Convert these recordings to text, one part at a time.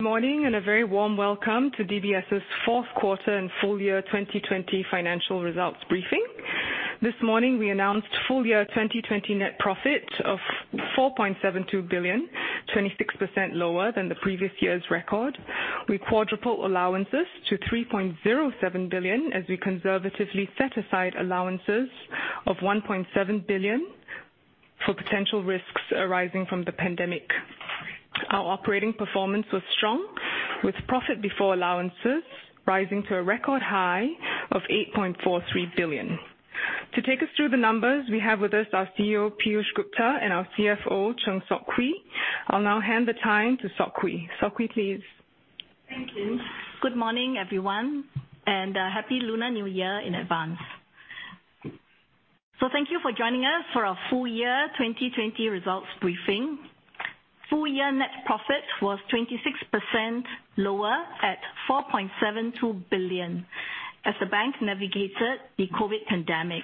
Morning, and a very warm welcome to DBS's fourth quarter and full year 2020 financial results briefing. This morning we announced full year 2020 net profit of 4.72 billion, 26% lower than the previous year's record. We quadruple allowances to 3.07 billion as we conservatively set aside allowances of 1.7 billion for potential risks arising from the pandemic. Our operating performance was strong, with profit before allowances rising to a record high of 8.43 billion. To take us through the numbers we have with us our CEO, Piyush Gupta, and our CFO, Chng Sok Hui. I'll now hand the time to Sok Hui. Sok Hui, please. Thank you. Good morning, everyone, and Happy Lunar New Year in advance. Thank you for joining us for our full year 2020 results briefing. Full year net profit was 26% lower at 4.72 billion as the bank navigated the COVID pandemic.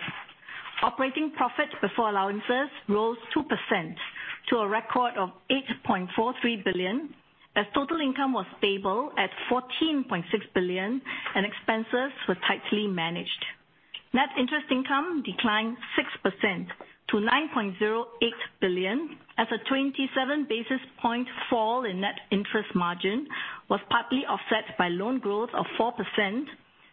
Operating profit before allowances rose 2% to a record of SGD 8.43 billion as total income was stable at SGD 14.6 billion and expenses were tightly managed. Net interest income declined 6% to 9.08 billion as a 27 basis point fall in net interest margin was partly offset by loan growth of 4%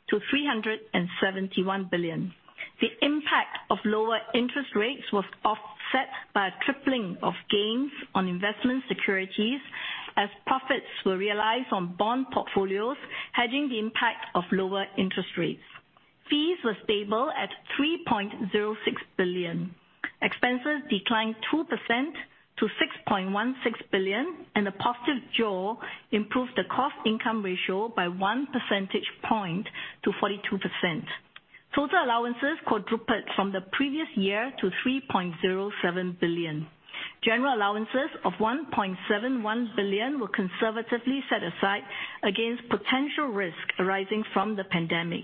to 371 billion. The impact of lower interest rates was offset by a tripling of gains on investment securities as profits were realized on bond portfolios hedging the impact of lower interest rates. Fees were stable at 3.06 billion. Expenses declined 2% to 6.16 billion, and the positive jaw improved the cost-income ratio by one percentage point to 42%. Total allowances quadrupled from the previous year to 3.07 billion. General allowances of 1.71 billion were conservatively set aside against potential risk arising from the pandemic.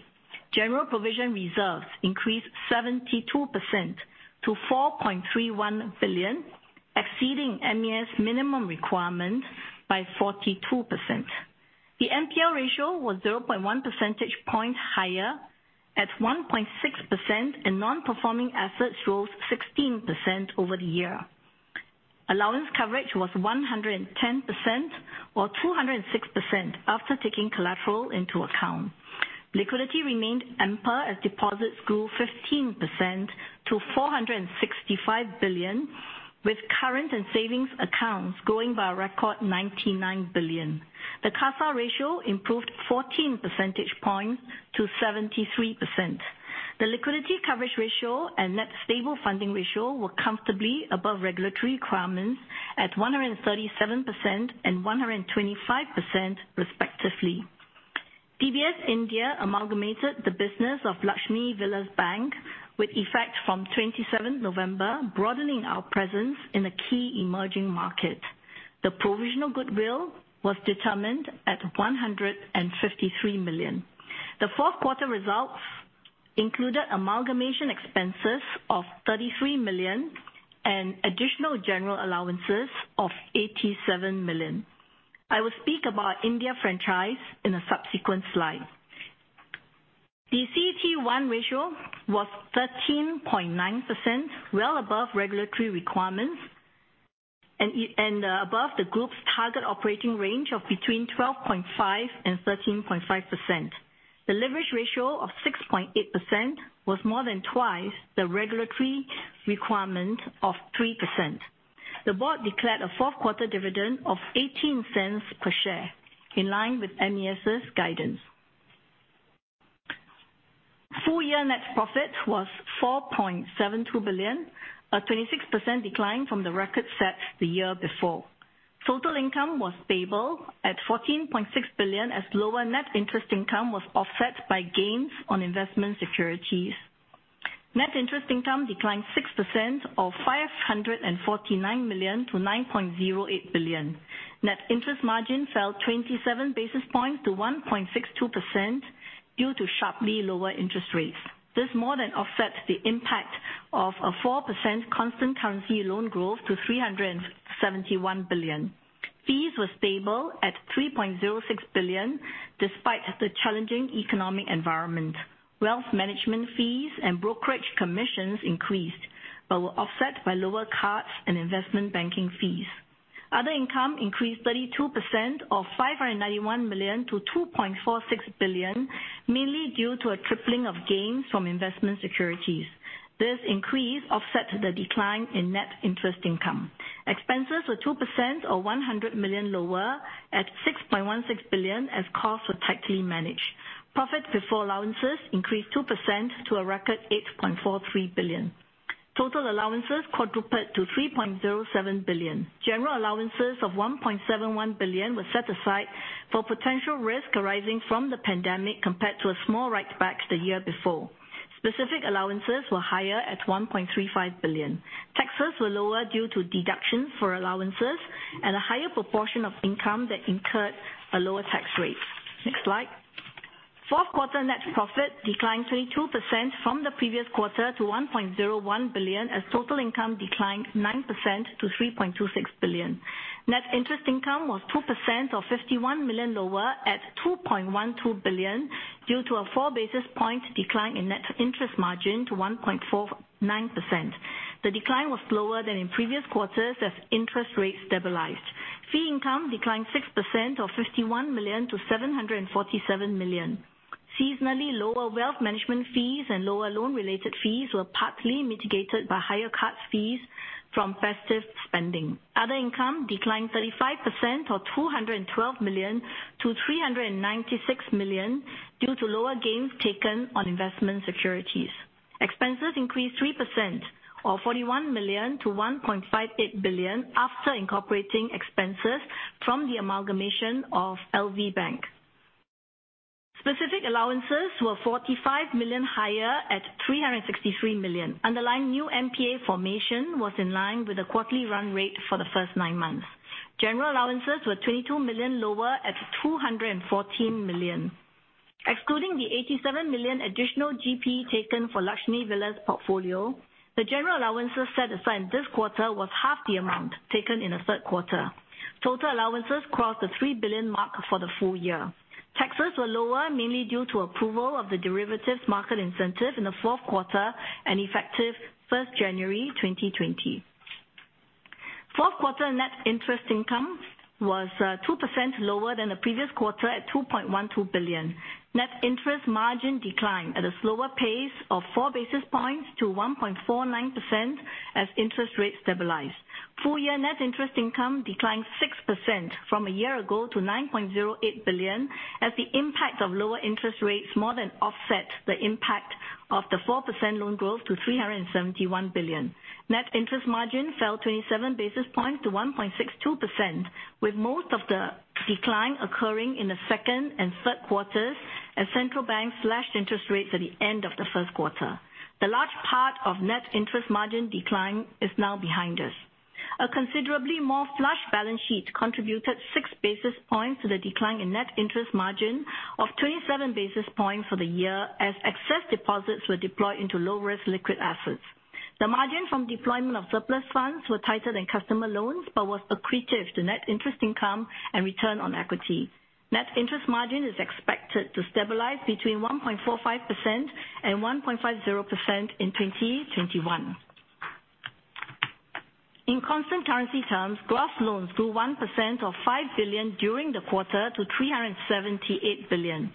General provision reserves increased 72% to SGD 4.31 billion, exceeding MAS minimum requirements by 42%. The NPL ratio was 0.1 percentage point higher at 1.6%, and non-performing assets rose 16% over the year. Allowance coverage was 110% or 206% after taking collateral into account. Liquidity remained ample as deposits grew 15% to 465 billion, with current and savings accounts growing by a record 99 billion. The CASA ratio improved 14 percentage points to 73%. The Liquidity Coverage Ratio and Net Stable Funding Ratio were comfortably above regulatory requirements at 137% and 125% respectively. DBS India amalgamated the business of Lakshmi Vilas Bank with effect from 27th November, broadening our presence in a key emerging market. The provisional goodwill was determined at 153 million. The fourth quarter results included amalgamation expenses of 33 million and additional general allowances of 87 million. I will speak about India franchise in a subsequent slide. The CET1 ratio was 13.9%, well above regulatory requirements and above the group's target operating range of between 12.5%-13.5%. The leverage ratio of 6.8% was more than twice the regulatory requirement of 3%. The board declared a fourth quarter dividend of 0.18 per share in line with MAS's guidance. Full year net profit was 4.72 billion, a 26% decline from the record set the year before. Total income was stable at 14.6 billion as lower net interest income was offset by gains on investment securities. Net interest income declined 6% or 549 million to 9.08 billion. Net interest margin fell 27 basis points to 1.62% due to sharply lower interest rates. This more than offset the impact of a 4% constant currency loan growth to SGD 371 billion. Fees were stable at SGD 3.06 billion despite the challenging economic environment. Wealth Management fees and brokerage commissions increased, but were offset by lower cards and investment banking fees. Other income increased 32% or 591 million to 2.46 billion, mainly due to a tripling of gains from investment securities. This increase offset the decline in net interest income. Expenses were 2% or 100 million lower at 6.16 billion as costs were tightly managed. Profit before allowances increased 2% to a record 8.43 billion. Total allowances quadrupled to 3.07 billion. General allowances of 1.71 billion were set aside for potential risk arising from the pandemic compared to small write-backs the year before. Specific allowances were higher at SGD 1.35 billion. Taxes were lower due to deductions for allowances and a higher proportion of income that incurred a lower tax rate. Next slide. Fourth quarter net profit declined 22% from the previous quarter to 1.01 billion as total income declined 9% to 3.26 billion. Net interest income was 2% or 51 million lower at 2.12 billion due to a four basis point decline in net interest margin to 1.49%. The decline was lower than in previous quarters as interest rates stabilized. Fee income declined 6% or 51 million-747 million. Seasonally, lower Wealth Management fees and lower loan-related fees were partly mitigated by higher card fees from festive spending. Other income declined 35% or 212 million-396 million due to lower gains taken on investment securities. Expenses increased 3% or 41 million to 1.58 billion after incorporating expenses from the amalgamation of LVB. Specific allowances were 45 million higher at 363 million. Underlying new NPA formation was in line with the quarterly run rate for the first nine months. General allowances were 22 million lower at 214 million. Excluding the 87 million additional GP taken for Lakshmi Vilas portfolio, the general allowances set aside this quarter was half the amount taken in the third quarter. Total allowances crossed the 3 billion mark for the full year. Taxes were lower, mainly due to approval of the derivatives market incentive in the fourth quarter and effective 1 January 2020. Fourth quarter net interest income was 2% lower than the previous quarter at SGD 2.12 billion. Net interest margin declined at a slower pace of 4 basis points to 1.49% as interest rates stabilized. Full year net interest income declined 6% from a year ago to 9.08 billion as the impact of lower interest rates more than offset the impact of the 4% loan growth to 371 billion. Net interest margin fell 27 basis points to 1.62%, with most of the decline occurring in the second and third quarters as central banks slashed interest rates at the end of the first quarter. The large part of net interest margin decline is now behind us. A considerably more flush balance sheet contributed 6 basis points to the decline in net interest margin of 27 basis points for the year as excess deposits were deployed into low-risk liquid assets. The margin from deployment of surplus funds were tighter than customer loans, but was accretive to net interest income and return on equity. Net interest margin is expected to stabilize between 1.45% and 1.50% in 2021. In constant currency terms, gross loans grew 1% or 5 billion during the quarter to 378 billion.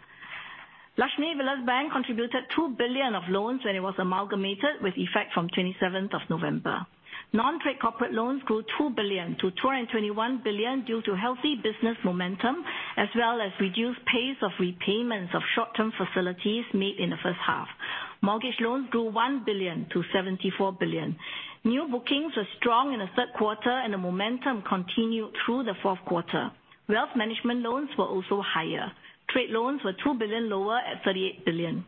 Lakshmi Vilas Bank contributed 2 billion of loans when it was amalgamated with effect from 27th of November. Non-trade corporate loans grew 2 billion-221 billion due to healthy business momentum as well as reduced pace of repayments of short-term facilities made in the first half. Mortgage loans grew 1 billion-74 billion. New bookings were strong in the third quarter and the momentum continued through the fourth quarter. Wealth management loans were also higher. Trade loans were 2 billion lower at 38 billion.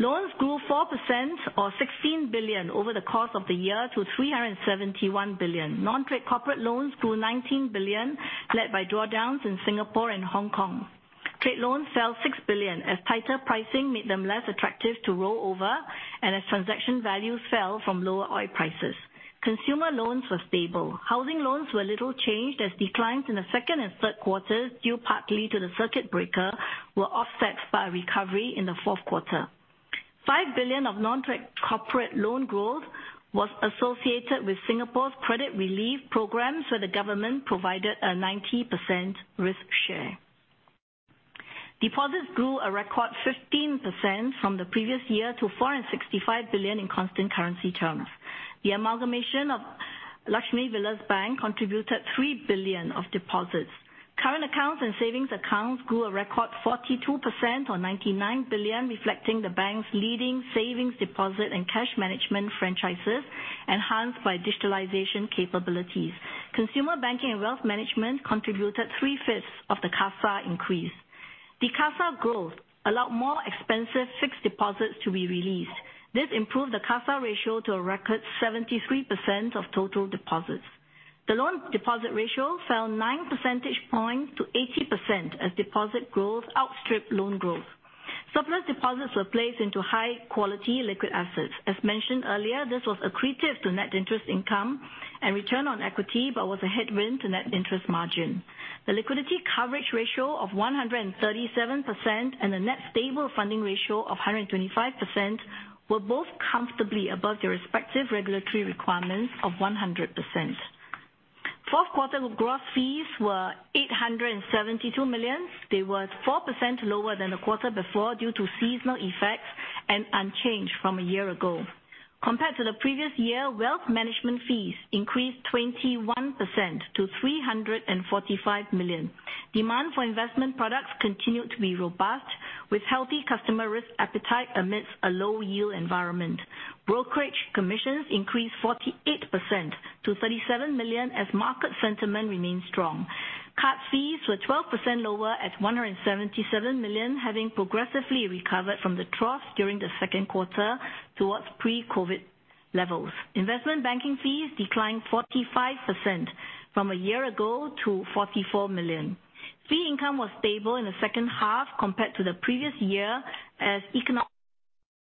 Loans grew 4% or 16 billion over the course of the year to 371 billion. Non-trade corporate loans grew 19 billion, led by drawdowns in Singapore and Hong Kong. Trade loans fell 6 billion as tighter pricing made them less attractive to roll over and as transaction values fell from lower oil prices. Consumer loans were stable. Housing loans were a little changed as declines in the second and third quarters, due partly to the circuit breaker, were offset by a recovery in the fourth quarter. 5 billion of non-trade corporate loan growth was associated with Singapore's credit relief programs, where the government provided a 90% risk share. Deposits grew a record 15% from the previous year to 465 billion in constant currency terms. The amalgamation of Lakshmi Vilas Bank contributed 3 billion of deposits. Current accounts and savings accounts grew a record 42% or 99 billion, reflecting the bank's leading savings deposit and cash management franchises enhanced by digitalization capabilities. Consumer banking and wealth management contributed 3/5 of the CASA increase. The CASA growth allowed more expensive fixed deposits to be released. This improved the CASA ratio to a record 73% of total deposits. The loan deposit ratio fell 9 percentage points to 80% as deposit growth outstripped loan growth. Surplus deposits were placed into high-quality liquid assets. As mentioned earlier, this was accretive to net interest income and return on equity but was a headwind to net interest margin. The liquidity coverage ratio of 137% and the net stable funding ratio of 125% were both comfortably above their respective regulatory requirements of 100%. Fourth quarter gross fees were 872 million. They were 4% lower than the quarter before due to seasonal effects and unchanged from a year ago. Compared to the previous year, wealth management fees increased 21% to 345 million. Demand for investment products continued to be robust with healthy customer risk appetite amidst a low yield environment. Brokerage commissions increased 48% to 37 million as market sentiment remained strong. Card fees were 12% lower at 177 million, having progressively recovered from the trough during the second quarter towards pre-COVID levels. Investment banking fees declined 45% from a year ago to 44 million. Fee income was stable in the second half compared to the previous year as the economy rebounded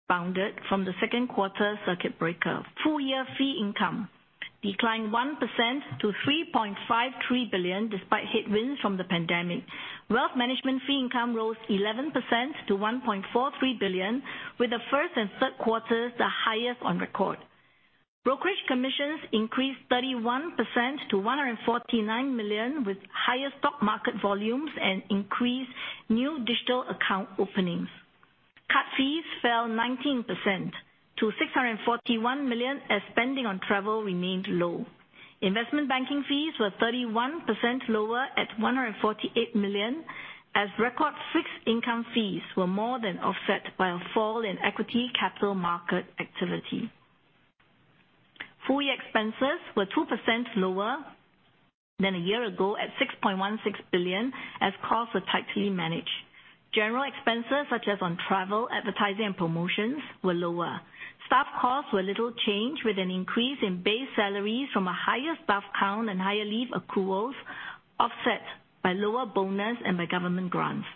from the second quarter circuit breaker. Full year fee income declined 1% to 3.53 billion, despite headwinds from the pandemic. Wealth Management fee income rose 11% to 1.43 billion, with the first and third quarters the highest on record. Brokerage commissions increased 31% to 149 million, with higher stock market volumes and increased new digital account openings. Card fees fell 19% to 641 million as spending on travel remained low. Investment banking fees were 31% lower at 148 million, as record fixed income fees were more than offset by a fall in equity capital market activity. Full-year expenses were 2% lower than a year ago at 6.16 billion as costs were tightly managed. General expenses such as on travel, advertising and promotions were lower. Staff costs were little changed with an increase in base salaries from a higher staff count and higher leave accruals, offset by lower bonus and by government grants.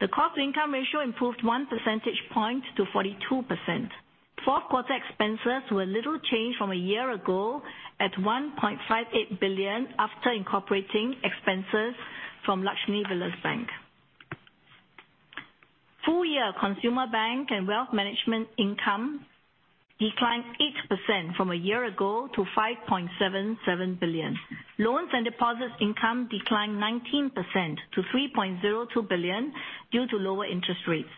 The cost-income ratio improved 1 percentage point to 42%. Fourth quarter expenses were little changed from a year ago at 1.58 billion after incorporating expenses from Lakshmi Vilas Bank. Full-year consumer bank and wealth management income declined 8% from a year ago to 5.77 billion. Loans and deposits income declined 19% to 3.02 billion due to lower interest rates.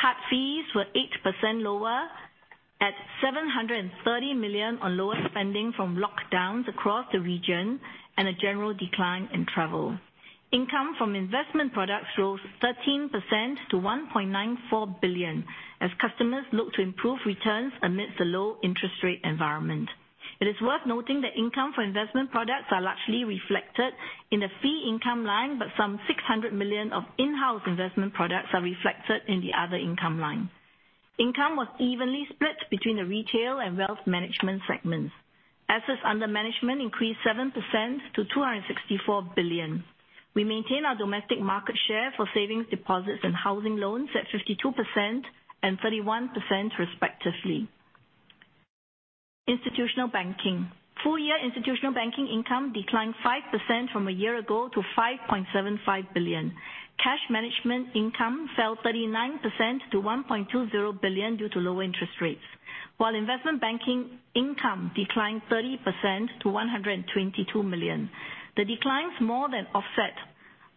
Card fees were 8% lower at SGD 730 million on lower spending from lockdowns across the region and a general decline in travel. Income from investment products rose 13% to 1.94 billion as customers look to improve returns amidst a low interest rate environment. It is worth noting that income for investment products are largely reflected in the fee income line, but some 600 million of in-house investment products are reflected in the other income line. Income was evenly split between the retail and wealth management segments. Assets under management increased 7% to 264 billion. We maintain our domestic market share for savings, deposits and housing loans at 52% and 31% respectively. Institutional banking. Full year institutional banking income declined 5% from a year ago to 5.75 billion. Cash management income fell 39% to 1.20 billion due to lower interest rates, while investment banking income declined 30% to 122 million. The declines more than offset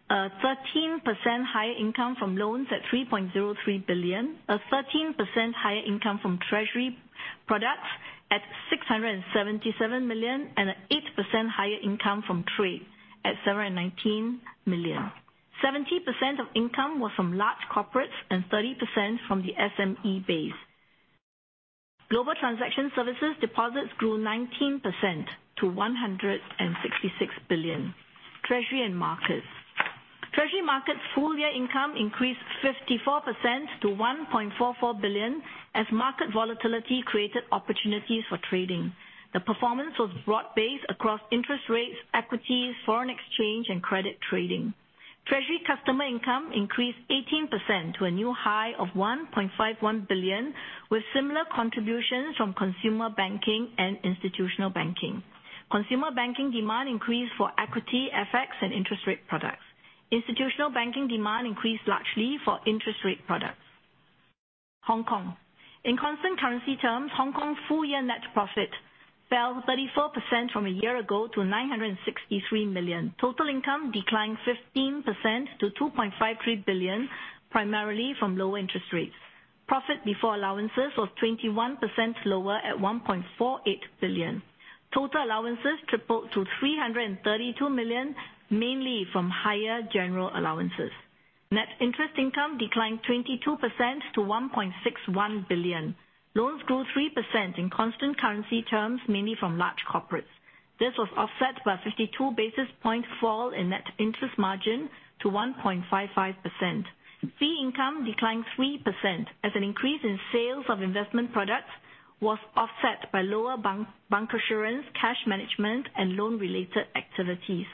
13% higher income from loans at 3.03 billion, 13% higher income from treasury products at 677 million and 8% higher income from trade at 719 million. 70% of income was from large corporates and 30% from the SME base. Global transaction services deposits grew 19% to SGD 166 billion. Treasury and markets. Treasury & Markets full-year income increased 54% to 1.44 billion as market volatility created opportunities for trading. The performance was broad-based across interest rates, equities, foreign exchange and credit trading. Treasury customer income increased 18% to a new high of 1.51 billion, with similar contributions from consumer banking and institutional banking. Consumer banking demand increased for equity, FX and interest rate products. Institutional banking demand increased largely for interest rate products. Hong Kong. In constant currency terms, Hong Kong full-year net profit fell 34% from a year ago to 963 million. Total income declined 15% to 2.53 billion, primarily from lower interest rates. Profit before allowances was 21% lower at 1.48 billion. Total allowances tripled to 332 million, mainly from higher general allowances. Net interest income declined 22% to 1.61 billion. Loans grew 3% in constant currency terms, mainly from large corporates. This was offset by a 52 basis point fall in net interest margin to 1.55%. Fee income declined 3% as an increase in sales of investment products was offset by lower bank, bancassurance, cash management and loan-related activities.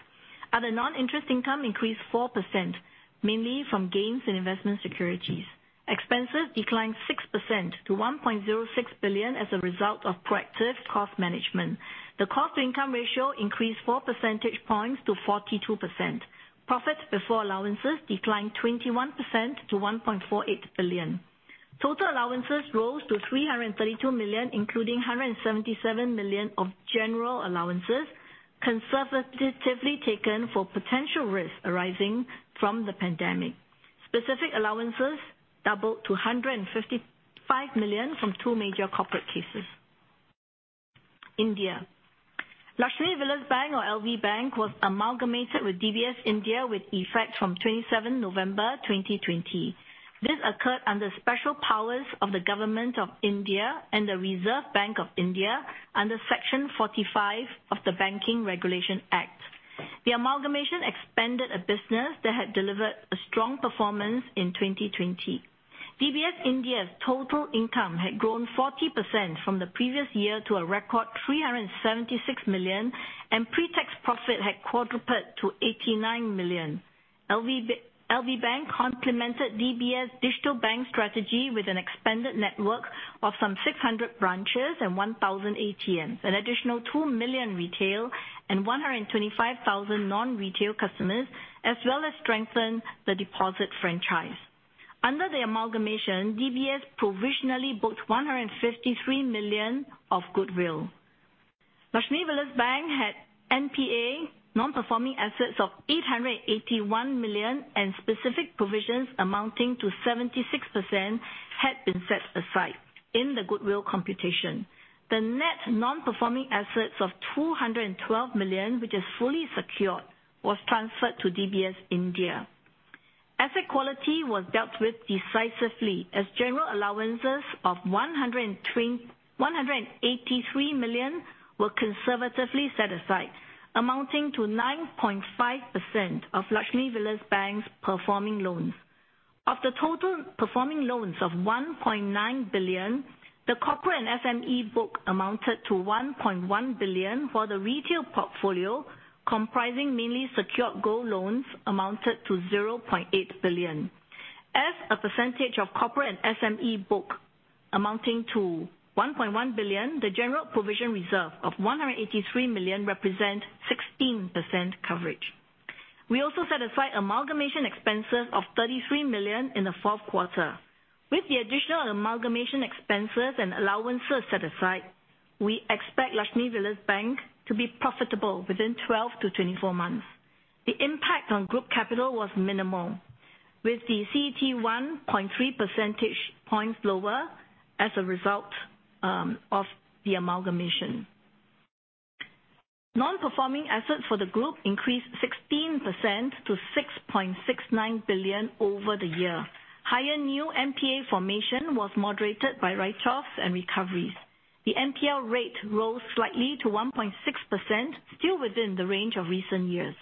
Other non-interest income increased 4%, mainly from gains in investment securities. Expenses declined 6% to 1.06 billion as a result of proactive cost management. The cost-income ratio increased 4 percentage points to 42%. Profit before allowances declined 21% to 1.48 billion. Total allowances rose to 332 million, including 177 million of general allowances conservatively taken for potential risks arising from the pandemic. Specific allowances doubled to 155 million from two major corporate cases. In India, Lakshmi Vilas Bank or LVB was amalgamated with DBS India with effect from 27 November 2020. This occurred under special powers of the Government of India and the Reserve Bank of India under Section 45 of the Banking Regulation Act. The amalgamation expanded a business that had delivered a strong performance in 2020. DBS India's total income had grown 40% from the previous year to a record 376 million, and pre-tax profit had quadrupled to 89 million. LVB complemented digibank strategy with an expanded network of some 600 branches and 1,000 ATMs, an additional two million retail and 125,000 non-retail customers, as well as strengthen the deposit franchise. Under the amalgamation, DBS provisionally booked 153 million of goodwill. Lakshmi Vilas Bank had NPA, non-performing assets of 881 million, and specific provisions amounting to 76% had been set aside in the goodwill computation. The net non-performing assets of 212 million, which is fully secured, was transferred to DBS India. Asset quality was dealt with decisively as general allowances of 183 million were conservatively set aside, amounting to 9.5% of Lakshmi Vilas Bank's performing loans. Of the total performing loans of 1.9 billion, the corporate and SME book amounted to 1.1 billion, while the retail portfolio, comprising mainly secured gold loans, amounted to 0.8 billion. As a percentage of corporate and SME book amounting to 1.1 billion, the general provision reserve of 183 million represent 16% coverage. We also set aside amalgamation expenses of 33 million in the fourth quarter. With the additional amalgamation expenses and allowances set aside, we expect Lakshmi Vilas Bank to be profitable within 12-24 months. The impact on group capital was minimal, with the CET1 1.3 percentage points lower as a result of the amalgamation. Non-performing assets for the group increased 16% to 6.69 billion over the year. Higher new NPA formation was moderated by write-offs and recoveries. The NPL rate rose slightly to 1.6%, still within the range of recent years.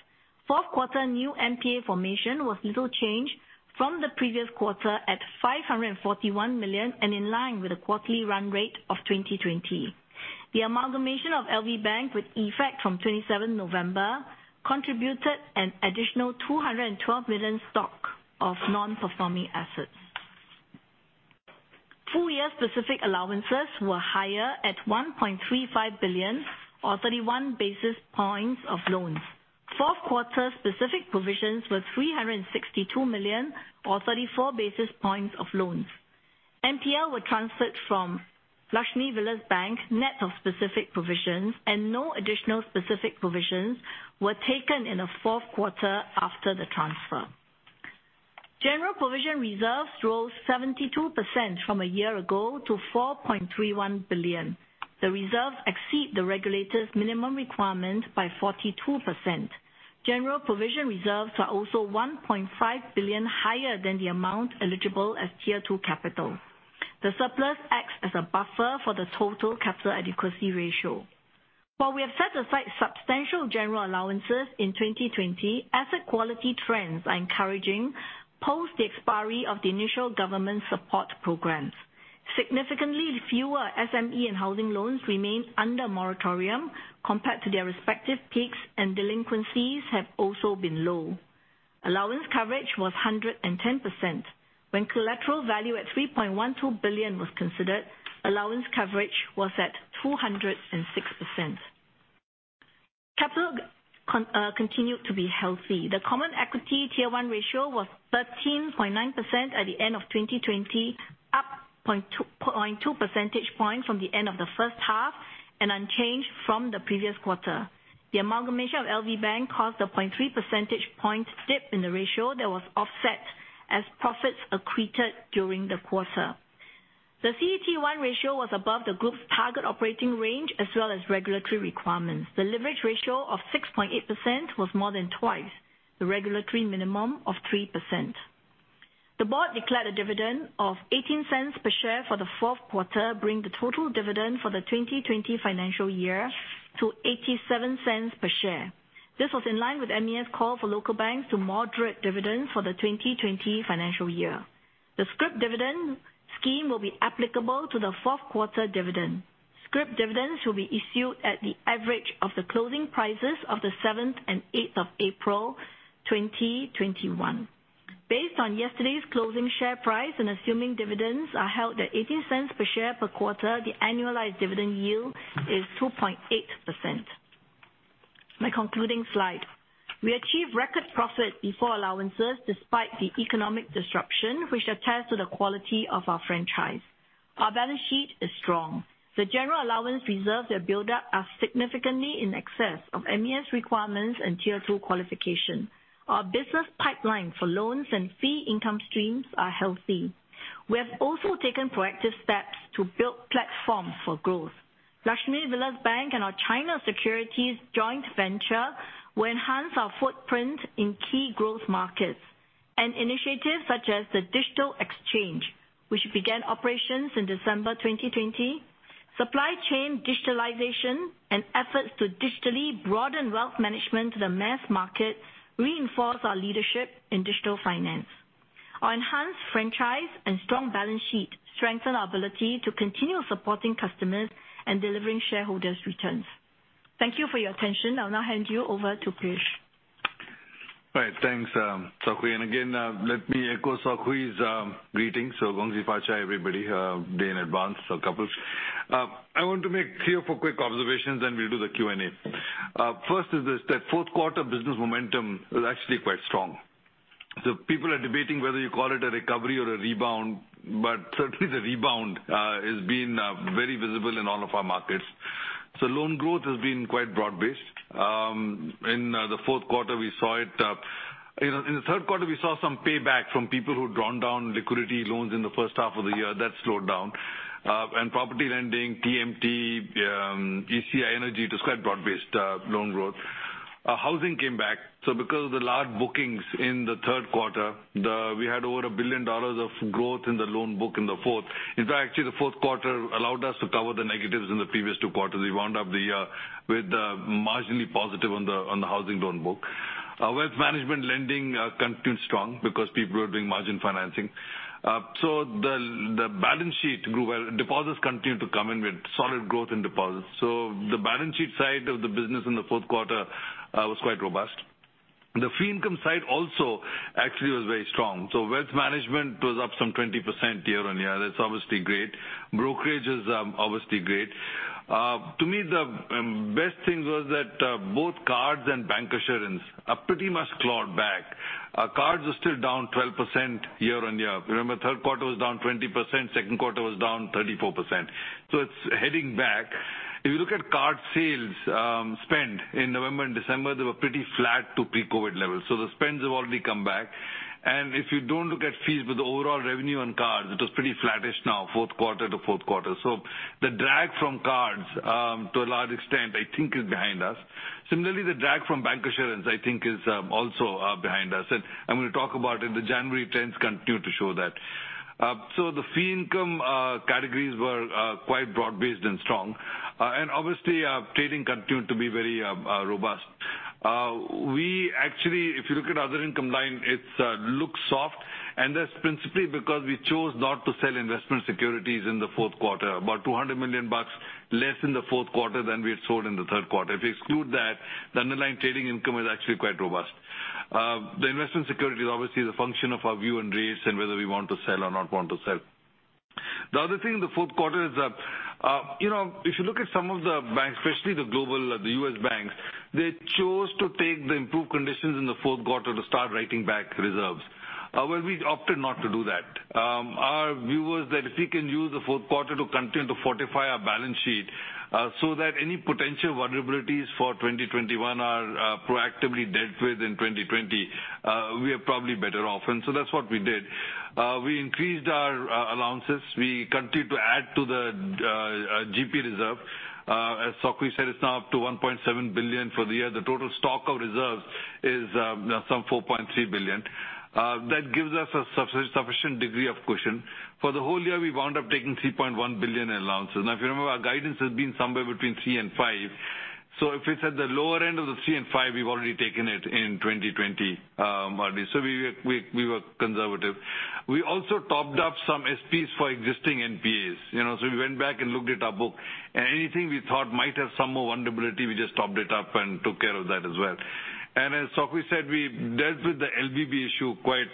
Fourth quarter new NPA formation was little change from the previous quarter at 541 million and in line with the quarterly run rate of 2020. The amalgamation of LVB, with effect from 27 November, contributed an additional 212 million stock of non-performing assets. Full year specific allowances were higher at 1.35 billion or 31 basis points of loans. Fourth quarter specific provisions were 362 million or 34 basis points of loans. NPL were transferred from Lakshmi Vilas Bank, net of specific provisions and no additional specific provisions were taken in the fourth quarter after the transfer. General provision reserves rose 72% from a year ago to 4.31 billion. The reserves exceed the regulator's minimum requirement by 42%. General provision reserves are also 1.5 billion higher than the amount eligible as Tier 2 capital. The surplus acts as a buffer for the total capital adequacy ratio. While we have set aside substantial general allowances in 2020, asset quality trends are encouraging post the expiry of the initial government support programs. Significantly fewer SME and housing loans remain under moratorium compared to their respective peaks, and delinquencies have also been low. Allowance coverage was 110%. When collateral value at 3.12 billion was considered, allowance coverage was at 206%. Capital continued to be healthy. The common equity Tier 1 ratio was 13.9% at the end of 2020, up 0.2 percentage points from the end of the first half and unchanged from the previous quarter. The amalgamation of Lakshmi Vilas Bank caused a 0.3 percentage point dip in the ratio that was offset as profits accreted during the quarter. The CET1 ratio was above the group's target operating range as well as regulatory requirements. The leverage ratio of 6.8% was more than twice the regulatory minimum of 3%. The board declared a dividend of 0.18 per share for the fourth quarter, bringing the total dividend for the 2020 financial year to 0.87 per share. This was in line with MAS call for local banks to moderate dividends for the 2020 financial year. The scrip dividend scheme will be applicable to the fourth quarter dividend. Scrip dividends will be issued at the average of the closing prices of the 7th and 8th of April 2021. Based on yesterday's closing share price and assuming dividends are held at 0.18 per share per quarter, the annualized dividend yield is 2.8%. My concluding slide. We achieved record profit before allowances despite the economic disruption which attests to the quality of our franchise. Our balance sheet is strong. The general allowance reserves that build up are significantly in excess of MAS requirements and Tier 2 qualification. Our business pipeline for loans and fee income streams are healthy. We have also taken proactive steps to build platform for growth. Lakshmi Vilas Bank and our China securities joint venture will enhance our footprint in key growth markets. Initiatives such as the Digital Exchange, which began operations in December 2020. Supply chain digitalization and efforts to digitally broaden wealth management to the mass market reinforce our leadership in digital finance. Our enhanced franchise and strong balance sheet strengthen our ability to continue supporting customers and delivering shareholders' returns. Thank you for your attention. I'll now hand you over to Piyush. Right. Thanks, Sok Hui. Again, let me echo Sok Hui's greetings. Gong Xi Fa Cai, everybody, day in advance, or couple. I want to make three or four quick observations, then we'll do the Q&A. First is this, that fourth quarter business momentum was actually quite strong. People are debating whether you call it a recovery or a rebound, but certainly the rebound has been very visible in all of our markets. Loan growth has been quite broad-based. In the fourth quarter, we saw it. In the third quarter, we saw some payback from people who'd drawn down liquidity loans in the first half of the year. That slowed down. And property lending, TMT, ECA energy, just quite broad-based loan growth. Housing came back. Because of the large bookings in the third quarter, we had over 1 billion dollars of growth in the loan book in the fourth. In fact, actually the fourth quarter allowed us to cover the negatives in the previous two quarters. We wound up the year with marginally positive on the housing loan book. Wealth management lending continued strong because people were doing margin financing. The balance sheet grew well. Deposits continued to come in with solid growth in deposits. The balance sheet side of the business in the fourth quarter was quite robust. The fee income side also actually was very strong. Wealth management was up some 20% year-on-year. That's obviously great. Brokerage is obviously great. To me, the best thing was that both cards and bancassurance are pretty much clawed back. Cards are still down 12% year-on-year. Remember, third quarter was down 20%, second quarter was down 34%. It's heading back. If you look at card sales, spend in November and December, they were pretty flat to pre-COVID levels. The spends have already come back. If you don't look at fees, but the overall revenue on cards, it was pretty flattish now, fourth quarter to fourth quarter. The drag from cards, to a large extent, I think is behind us. Similarly, the drag from bancassurance, I think, is also behind us. I'm gonna talk about it. The January trends continue to show that. The fee income categories were quite broad-based and strong. Obviously, trading continued to be very robust. We actually, if you look at other income line, it looks soft, and that's principally because we chose not to sell investment securities in the fourth quarter. About $200 million less in the fourth quarter than we had sold in the third quarter. If you exclude that, the underlying trading income is actually quite robust. The investment security is obviously the function of our view on rates and whether we want to sell or not want to sell. The other thing in the fourth quarter is that, you know, if you look at some of the banks, especially the global, the U.S. banks, they chose to take the improved conditions in the fourth quarter to start writing back reserves, where we opted not to do that. Our view was that if we can use the fourth quarter to continue to fortify our balance sheet, so that any potential vulnerabilities for 2021 are, proactively dealt with in 2020, we are probably better off. That's what we did. We increased our allowances. We continued to add to the GP reserve. As Sok Hui said, it's now up to 1.7 billion for the year. The total stock of reserves is now some 4.3 billion. That gives us a sufficient degree of cushion. For the whole year, we wound up taking 3.1 billion in allowances. Now, if you remember, our guidance has been somewhere between 3 billion and 5 billion. If it's at the lower end of the three and five, we've already taken it in 2020 already. We were conservative. We also topped up some SPs for existing NPAs. You know, so we went back and looked at our book, and anything we thought might have some more vulnerability, we just topped it up and took care of that as well. As Sok Hui said, we dealt with the LVB issue quite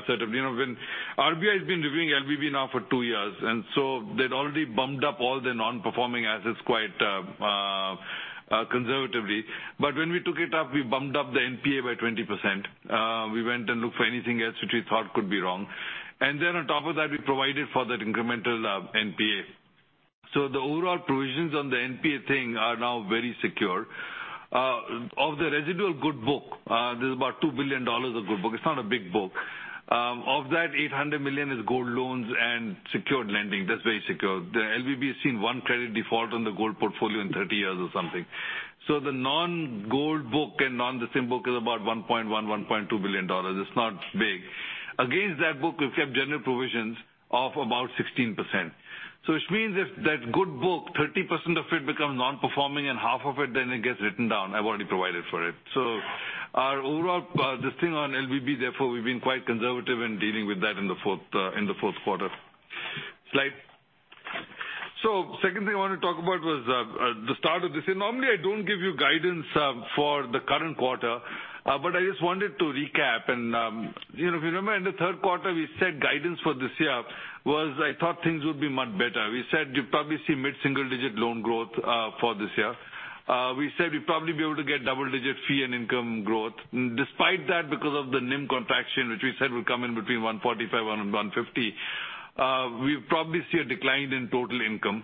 assertively. You know, when RBI has been reviewing LVB now for two years, and so they'd already bumped up all the non-performing assets quite conservatively. When we took it up, we bumped up the NPA by 20%. We went and looked for anything else which we thought could be wrong. On top of that, we provided for that incremental NPA. The overall provisions on the NPA thing are now very secure. Of the residual good book, there's about $2 billion of good book. It's not a big book. Of that, $800 million is gold loans and secured lending. That's very secure. The LVB has seen one credit default on the gold portfolio in 30 years or something. The non-gold book and non-SME book is about $1.1-$1.2 billion. It's not big. Against that book, we've kept general provisions of about 16%. Which means if that good book, 30% of it becomes non-performing and half of it then it gets written down, I've already provided for it. Our overall this thing on LVB, therefore, we've been quite conservative in dealing with that in the fourth quarter. Slide. Second thing I want to talk about was the start of this year. Normally, I don't give you guidance for the current quarter, but I just wanted to recap. You know, if you remember in the third quarter, we said guidance for this year was I thought things would be much better. We said you'd probably see mid-single-digit loan growth for this year. We said we'd probably be able to get double-digit fee income growth. Despite that, because of the NIM contraction, which we said would come in between 1.45% and 1.50%, we'll probably see a decline in total income.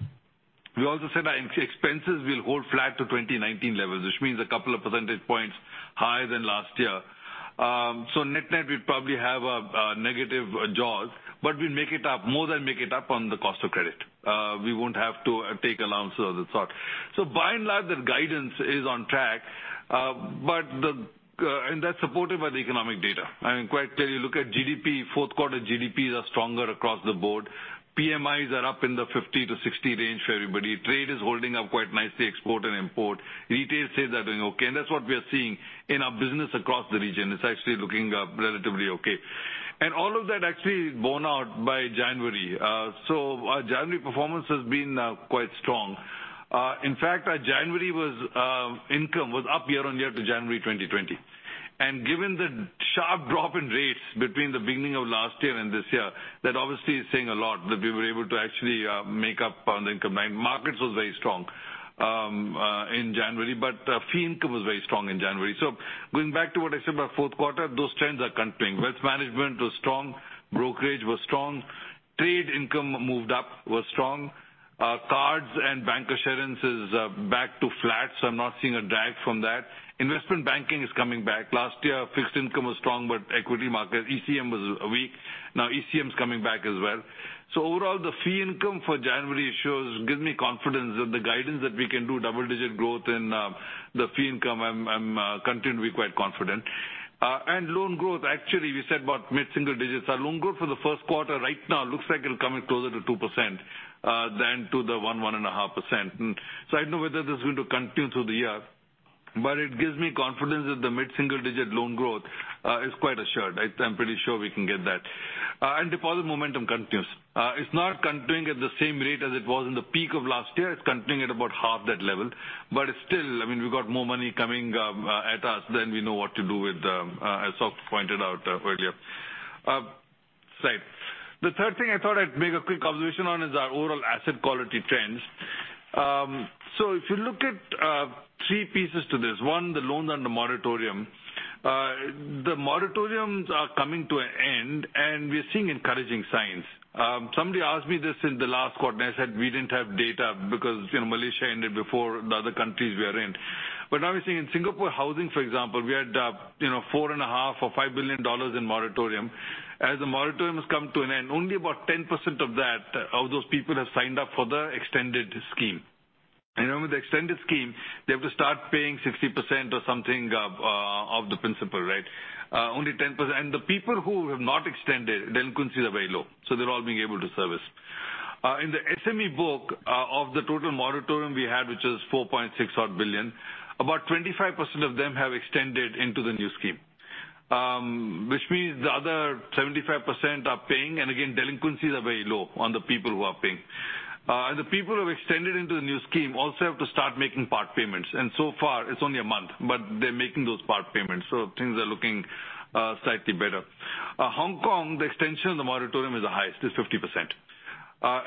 We also said our expenses will hold flat to 2019 levels, which means a couple of percentage points higher than last year. Net-net we'd probably have a negative jaws, but we'll make it up, more than make it up on the cost of credit. We won't have to take allowances or the sort. By and large, the guidance is on track. But that's supported by the economic data. I mean, quite clearly look at GDP, fourth quarter GDPs are stronger across the board. PMIs are up in the 50-60 range for everybody. Trade is holding up quite nicely, export and import. Retail sales are doing okay. That's what we are seeing in our business across the region. It's actually looking relatively okay. All of that actually borne out by January. Our January performance has been quite strong. In fact, our January income was up year-on-year to January 2020. Given the sharp drop in rates between the beginning of last year and this year, that obviously is saying a lot that we were able to actually make up in income. Markets was very strong in January, but fee income was very strong in January. Going back to what I said about fourth quarter, those trends are continuing. Wealth Management was strong, brokerage was strong, trade income moved up was strong. Cards and bancassurance back to flat, so I'm not seeing a drag from that. Investment Banking is coming back. Last year, Fixed Income was strong, but equity market, ECM was weak. Now ECM is coming back as well. Overall, the fee income for January gives me confidence that the guidance that we can do double-digit growth in the fee income. I continue to be quite confident. Loan growth, actually, we said about mid-single digits. Our loan growth for the first quarter right now looks like it'll come in closer to 2% than to the 1%, 1.5%. I don't know whether this is going to continue through the year, but it gives me confidence that the mid-single-digit loan growth is quite assured. I'm pretty sure we can get that. Deposit momentum continues. It's not continuing at the same rate as it was in the peak of last year. It's continuing at about half that level. It's still, I mean, we've got more money coming at us than we know what to do with, as Sok pointed out earlier. Slide. The third thing I thought I'd make a quick observation on is our overall asset quality trends. So if you look at three pieces to this, one, the loans and the moratorium. The moratoriums are coming to an end, and we're seeing encouraging signs. Somebody asked me this in the last quarter, and I said we didn't have data because, you know, Malaysia ended before the other countries we are in. Obviously in Singapore housing, for example, we had, you know, 4.5 billion or 5 billion dollars in moratorium. As the moratorium has come to an end, only about 10% of that, of those people have signed up for the extended scheme. Remember, the extended scheme, they have to start paying 60% or something of the principal, right? Only 10%. The people who have not extended, delinquencies are very low, so they're all being able to service. In the SME book, of the total moratorium we had, which is 4.6 billion, about 25% of them have extended into the new scheme. Which means the other 75% are paying, and again, delinquencies are very low on the people who are paying. The people who have extended into the new scheme also have to start making part payments. So far it's only a month, but they're making those part payments, so things are looking slightly better. Hong Kong, the extension of the moratorium is the highest, it's 50%.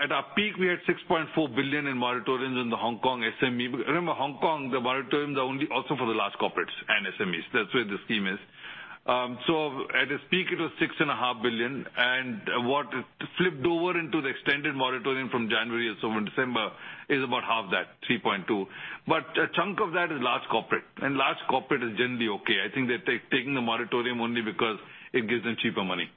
At our peak we had 6.4 billion in moratoriums in the Hong Kong SME. Remember, Hong Kong, the moratoriums are only also for the large corporates and SMEs. That's where the scheme is. At its peak it was 6.5 billion. What is flipped over into the extended moratorium from January and so in December is about half that, 3.2 billion. But a chunk of that is large corporate, and large corporate is generally okay. I think they're taking the moratorium only because it gives them cheaper money.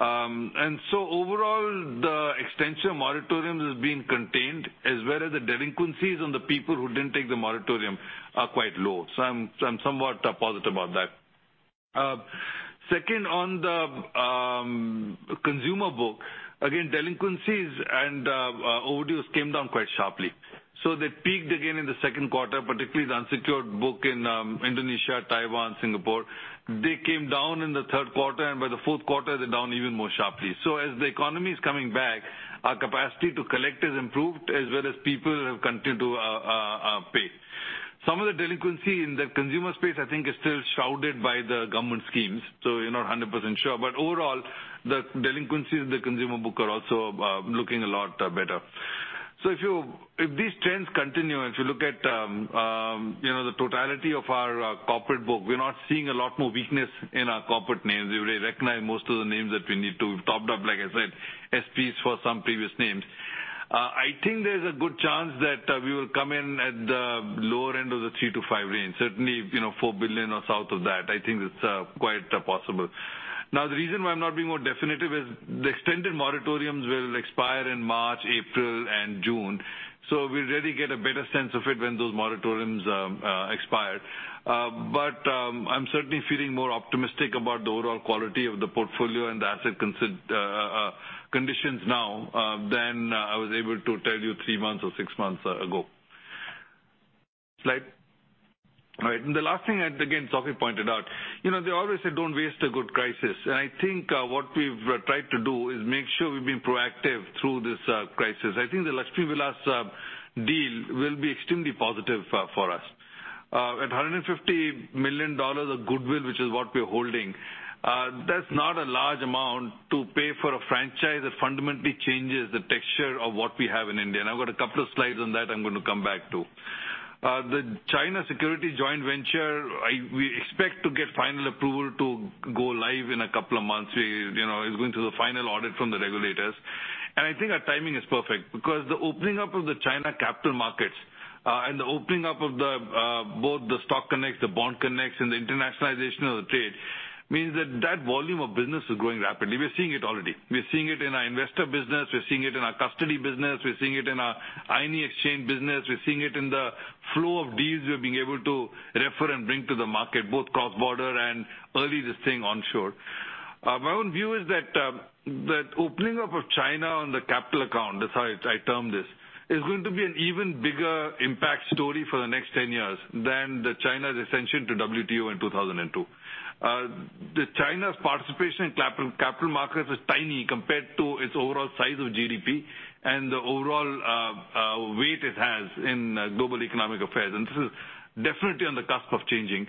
Overall the extension of moratoriums is being contained as well as the delinquencies on the people who didn't take the moratorium are quite low. I'm somewhat positive about that. Second, on the consumer book, again, delinquencies and overdues came down quite sharply. They peaked again in the second quarter, particularly the unsecured book in Indonesia, Taiwan, Singapore. They came down in the third quarter and by the fourth quarter they're down even more sharply. As the economy is coming back, our capacity to collect has improved as well as people have continued to pay. Some of the delinquency in the consumer space I think is still shrouded by the government schemes, so you're not 100% sure. Overall, the delinquencies in the consumer book are also looking a lot better. If these trends continue and if you look at you know, the totality of our corporate book, we're not seeing a lot more weakness in our corporate names. We recognize most of the names that we need to top up, like I said, SPs for some previous names. I think there's a good chance that we will come in at the lower end of the 3 billion-5 billion range, certainly, you know, 4 billion or south of that. I think that's quite possible. Now the reason why I'm not being more definitive is the extended moratoriums will expire in March, April and June, so we'll really get a better sense of it when those moratoriums expire. I'm certainly feeling more optimistic about the overall quality of the portfolio and the asset conditions now than I was able to tell you three months or six months ago. Slide. All right. The last thing, and again, Sok Hui pointed out, you know, they always say, don't waste a good crisis. I think what we've tried to do is make sure we've been proactive through this crisis. I think the Lakshmi Vilas deal will be extremely positive for us. At $150 million of goodwill, which is what we're holding, that's not a large amount to pay for a franchise that fundamentally changes the texture of what we have in India. I've got a couple of slides on that I'm going to come back to. The China securities joint venture, we expect to get final approval to go live in a couple of months. You know, it's going through the final audit from the regulators. I think our timing is perfect because the opening up of the China capital markets, and the opening up of both the Stock Connects, the Bond Connects, and the internationalization of the trade means that that volume of business is growing rapidly. We're seeing it already. We're seeing it in our investor business, we're seeing it in our custody business, we're seeing it in our INE exchange business. We're seeing it in the flow of deals we're being able to refer and bring to the market, both cross-border and all these things onshore. My own view is that opening up of China on the capital account, that's how I term this, is going to be an even bigger impact story for the next 10 years than China's ascension to WTO in 2002. China's participation in capital markets is tiny compared to its overall size of GDP and the overall weight it has in global economic affairs, and this is definitely on the cusp of changing.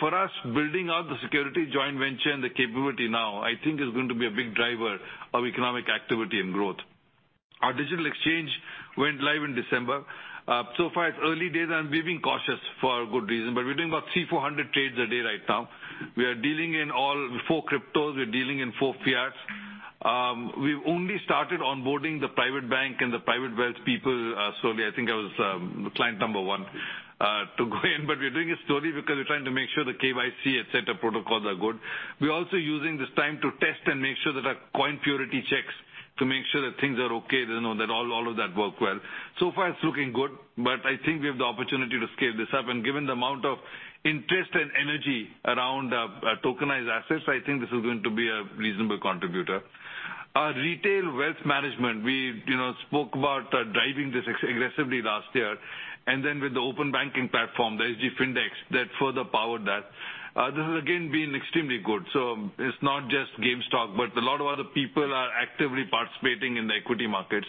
For us, building out the securities joint venture and the capability now, I think is going to be a big driver of economic activity and growth. Our Digital Exchange went live in December. So far it's early days, and we've been cautious for a good reason, but we're doing about 300-400 trades a day right now. We are dealing in all four cryptos, we're dealing in four fiats. We've only started onboarding the private bank and the private wealth people slowly. I think I was client number one to go in, but we're doing it slowly because we're trying to make sure the KYC, et cetera, protocols are good. We're also using this time to test and make sure that our coin purity checks to make sure that things are okay, you know, that all of that work well. So far it's looking good, but I think we have the opportunity to scale this up. Given the amount of interest and energy around tokenized assets, I think this is going to be a reasonable contributor. Our retail wealth management, we, you know, spoke about driving this aggressively last year, and then with the open banking platform, the SGFinDex that further powered that. This has again been extremely good. It's not just GameStop, but a lot of other people are actively participating in the equity markets.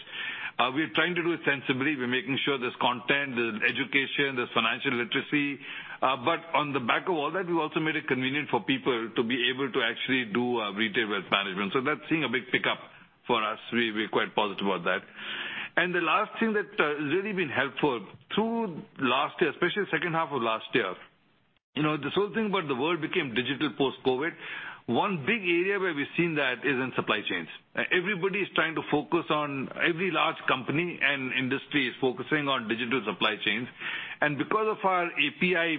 We're trying to do it sensibly. We're making sure there's content, there's education, there's financial literacy. But on the back of all that, we've also made it convenient for people to be able to actually do retail wealth management. That's seeing a big pickup for us. We're quite positive about that. The last thing that has really been helpful through last year, especially second half of last year, you know, this whole thing about the world became digital post-COVID. One big area where we've seen that is in supply chains. Everybody is trying to focus on every large company and industry is focusing on digital supply chains. Because of our API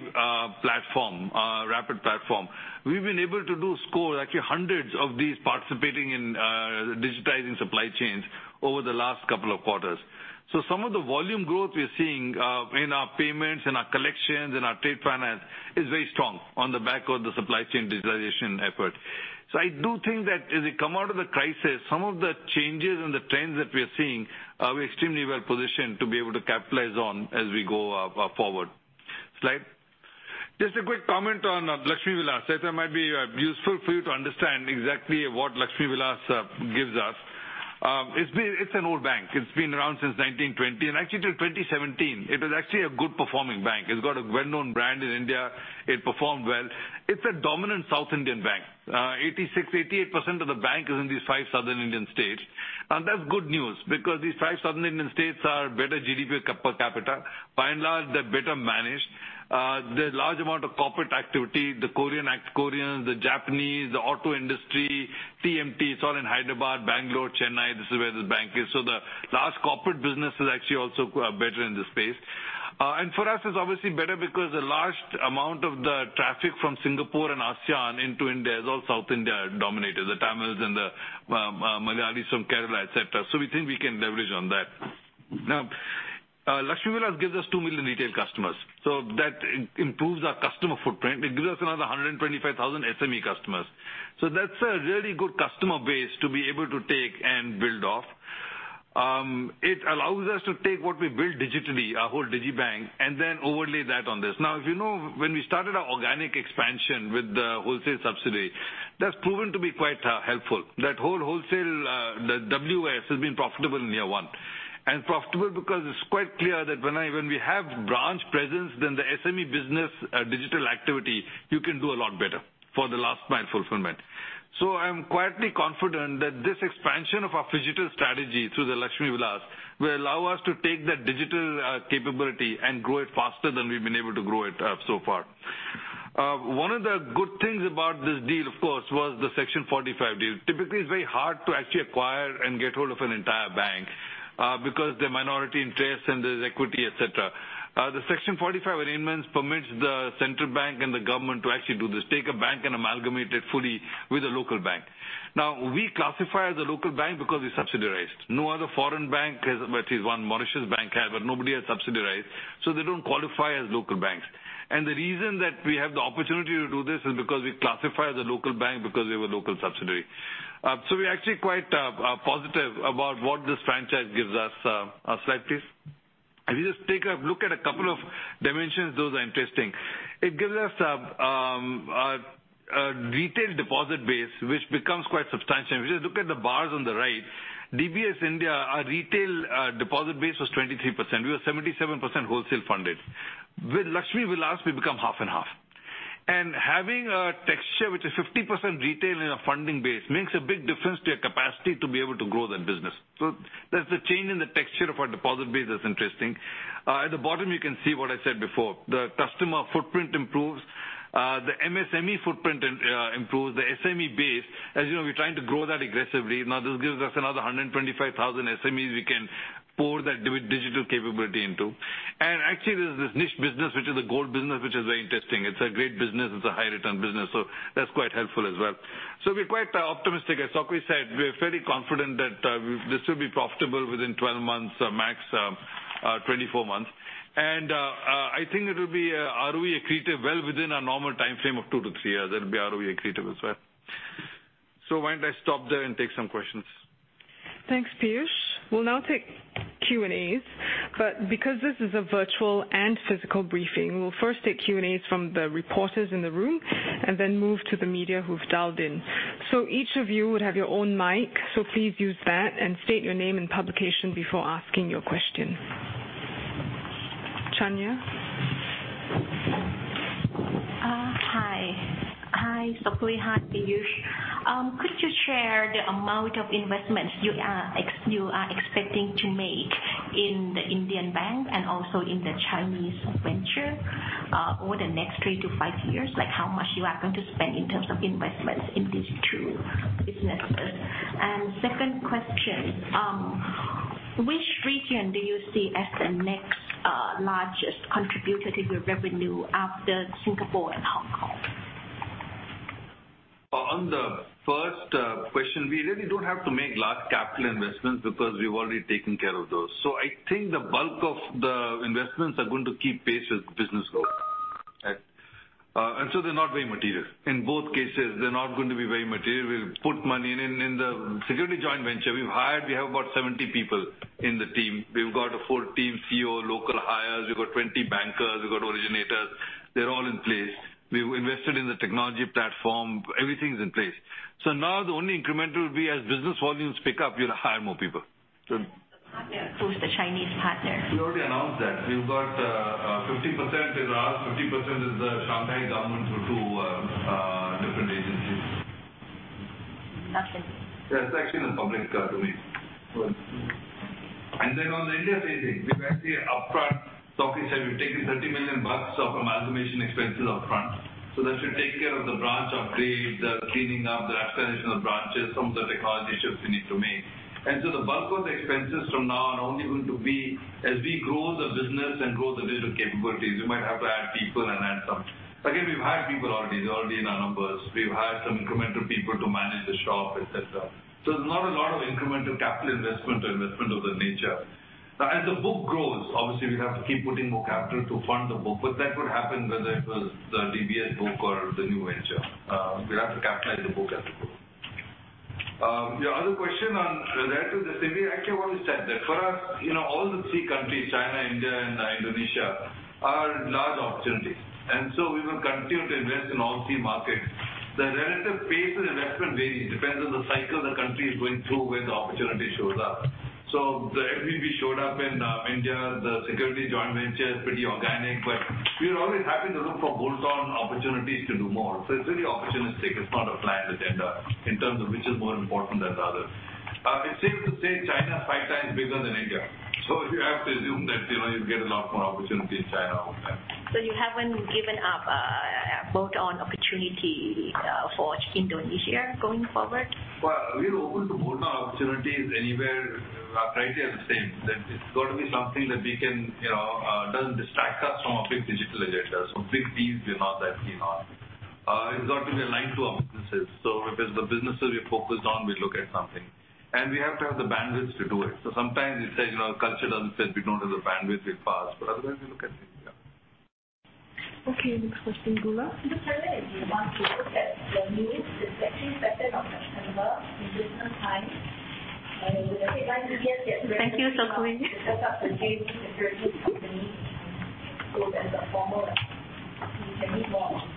platform, RAPID platform, we've been able to score actually hundreds of these participating in digitizing supply chains over the last couple of quarters. Some of the volume growth we are seeing in our payments and our collections and our trade finance is very strong on the back of the supply chain digitization effort. I do think that as we come out of the crisis, some of the changes and the trends that we are seeing, we're extremely well positioned to be able to capitalize on as we go forward. Slide. Just a quick comment on Lakshmi Vilas that might be useful for you to understand exactly what Lakshmi Vilas gives us. It's an old bank. It's been around since 1920, and actually till 2017 it was actually a good performing bank. It's got a well-known brand in India. It performed well. It's a dominant South Indian bank. 86%, 88% of the bank is in these five Southern Indian states. That's good news because these five Southern Indian states are better GDP per capita. By and large, they're better managed. There's large amount of corporate activity. The Korean, ex-Koreans, the Japanese, the auto industry, TMT, it's all in Hyderabad, Bangalore, Chennai, this is where the bank is. The large corporate business is actually also better in this space. For us, it's obviously better because a large amount of the traffic from Singapore and ASEAN into India is all South India dominated, the Tamils and the Malayalis from Kerala, et cetera. We think we can leverage on that. Now, Lakshmi Vilas gives us two million retail customers, so that improves our customer footprint. It gives us another 125,000 SME customers. That's a really good customer base to be able to take and build off. It allows us to take what we built digitally, our whole digibank, and then overlay that on this. Now, you know when we started our organic expansion with the wholesale subsidiary, that's proven to be quite helpful. That whole wholesale subsidiary, the WS has been profitable in year one, and profitable because it's quite clear that when we have branch presence, then the SME business, digital activity, you can do a lot better for the last mile fulfillment. I'm quietly confident that this expansion of our phygital strategy through the Lakshmi Vilas will allow us to take that digital capability and grow it faster than we've been able to grow it so far. One of the good things about this deal, of course, was the Section 45 deal. Typically, it's very hard to actually acquire and get hold of an entire bank because the minority interest and there's equity, et cetera. The Section 45 arrangements permits the central bank and the government to actually do this, take a bank and amalgamate it fully with a local bank. Now, we classify as a local bank because it's subsidiarized. No other foreign bank has, well at least one Mauritius bank has, but nobody has subsidiarized, so they don't qualify as local banks. The reason that we have the opportunity to do this is because we classify as a local bank because we have a local subsidiary. We're actually quite positive about what this franchise gives us. Slide please. If you just take a look at a couple of dimensions, those are interesting. It gives us a retail deposit base, which becomes quite substantial. If you just look at the bars on the right, DBS India, our retail deposit base was 23%. We were 77% wholesale funded. With Lakshmi Vilas, we become half and half. Having a texture which is 50% retail in our funding base makes a big difference to your capacity to be able to grow that business. That's the change in the texture of our deposit base that's interesting. At the bottom, you can see what I said before. The customer footprint improves, the MSME footprint improves the SME base. As you know, we're trying to grow that aggressively. Now, this gives us another 125,000 SMEs we can pour that digital capability into. Actually, there's this niche business, which is a gold business, which is very interesting. It's a great business. It's a high return business, so that's quite helpful as well. We're quite optimistic. As Sok Hui said, we're fairly confident that this will be profitable within 12 months, max, 24 months. I think it'll be ROE accretive well within our normal timeframe of two to three years. It'll be ROE accretive as well. Why don't I stop there and take some questions? Thanks, Piyush. We'll now take Q&As, but because this is a virtual and physical briefing, we will first take Q&As from the reporters in the room and then move to the media who've dialed in. Each of you would have your own mic, so please use that and state your name and publication before asking your question. Chanya? Hi, Sok Hui. Hi, Piyush. Could you share the amount of investments you are expecting to make in the Indian bank and also in the Chinese venture, over the next three to five years? Like, how much you are going to spend in terms of investments in these two businesses? Second question, which region do you see as the next largest contributor to your revenue after Singapore and Hong Kong? On the first question, we really don't have to make large capital investments because we've already taken care of those. I think the bulk of the investments are going to keep pace as business grows. They're not very material. In both cases, they're not going to be very material. We'll put money in the securities joint venture. We've hired. We have about 70 people in the team. We've got a full team, CEO, local hires. We've got 20 bankers. We've got originators. They're all in place. We've invested in the technology platform. Everything's in place. Now the only incremental will be as business volumes pick up, we'll hire more people. Who's the partner? Who's the Chinese partner? We already announced that. We've got, 50% is ours, 50% is the Shanghai government through two different agencies. Okay. That's actually in the public domain. Then on the India raising, we've actually upfront, Sok Hui said, we've taken $30 million of amalgamation expenses up front. That should take care of the branch upgrade, the cleaning up, the acquisition of branches, some of the technology shifts we need to make. The bulk of the expenses from now are only going to be as we grow the business and grow the digital capabilities, we might have to add people and add some. Again, we've hired people already. They're already in our numbers. We've hired some incremental people to manage the shop, et cetera. There's not a lot of incremental capital investment of that nature. Now, as the book grows, obviously we have to keep putting more capital to fund the book, but that would happen whether it was the DBS book or the new venture. We'd have to capitalize the book as a book. Your other question on relative to this, we actually already said that. For us, you know, all the three countries, China, India and Indonesia, are large opportunities. We will continue to invest in all three markets. The relative pace of investment varies. It depends on the cycle the country is going through, when the opportunity shows up. The LVB showed up in India, the security joint venture is pretty organic, but we are always happy to look for bolt-on opportunities to do more. It's very opportunistic. It's not a planned agenda in terms of which is more important than the other. It's safe to say China is 5x bigger than India. If you have to assume that, you know, you'll get a lot more opportunity in China over time. You haven't given up a bolt-on opportunity for Indonesia going forward? Well, we're open to bolt-on opportunities anywhere. Our criteria are the same, that it's got to be something that we can, you know, doesn't distract us from a big digital agenda. Big deals, we're not that keen on. It's got to be aligned to our businesses. If it's the businesses we're focused on, we look at something. We have to have the bandwidth to do it. Sometimes we say, you know, our culture doesn't say we don't have the bandwidth, we pass, but otherwise we look at things, yeah. Okay, next question, Goola. The credit you want to look at the news, it's actually second of September in different time. The headline- Thank you, Sok Hui. To set up a new securities company. You can read more on this.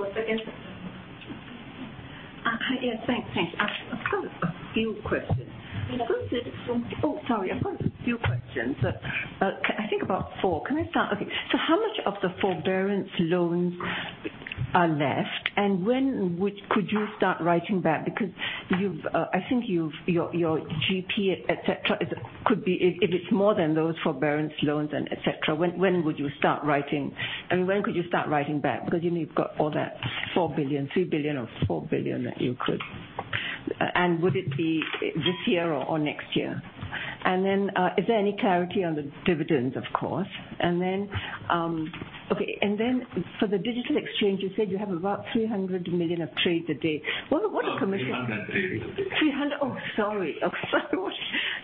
A second system. Hi. Yeah, thanks. Thanks. I've got a few questions. Yeah. Oh, sorry. I've got a few questions. I think about four. Can I start? Okay. So how much of the forbearance loans are left, and when could you start writing back? Because you've, I think you've. Your GP etcetera is could be, if it's more than those forbearance loans and etcetera, when would you start writing? I mean, when could you start writing back? Because, you know, you've got all that 4 billion, 3 billion or 4 billion that you could. Would it be this year or next year? And then is there any clarity on the dividends, of course? And then okay. And then for the digital exchange, you said you have about 300 million of trade a day. What a commission- No, 300 daily. 300? Oh, sorry.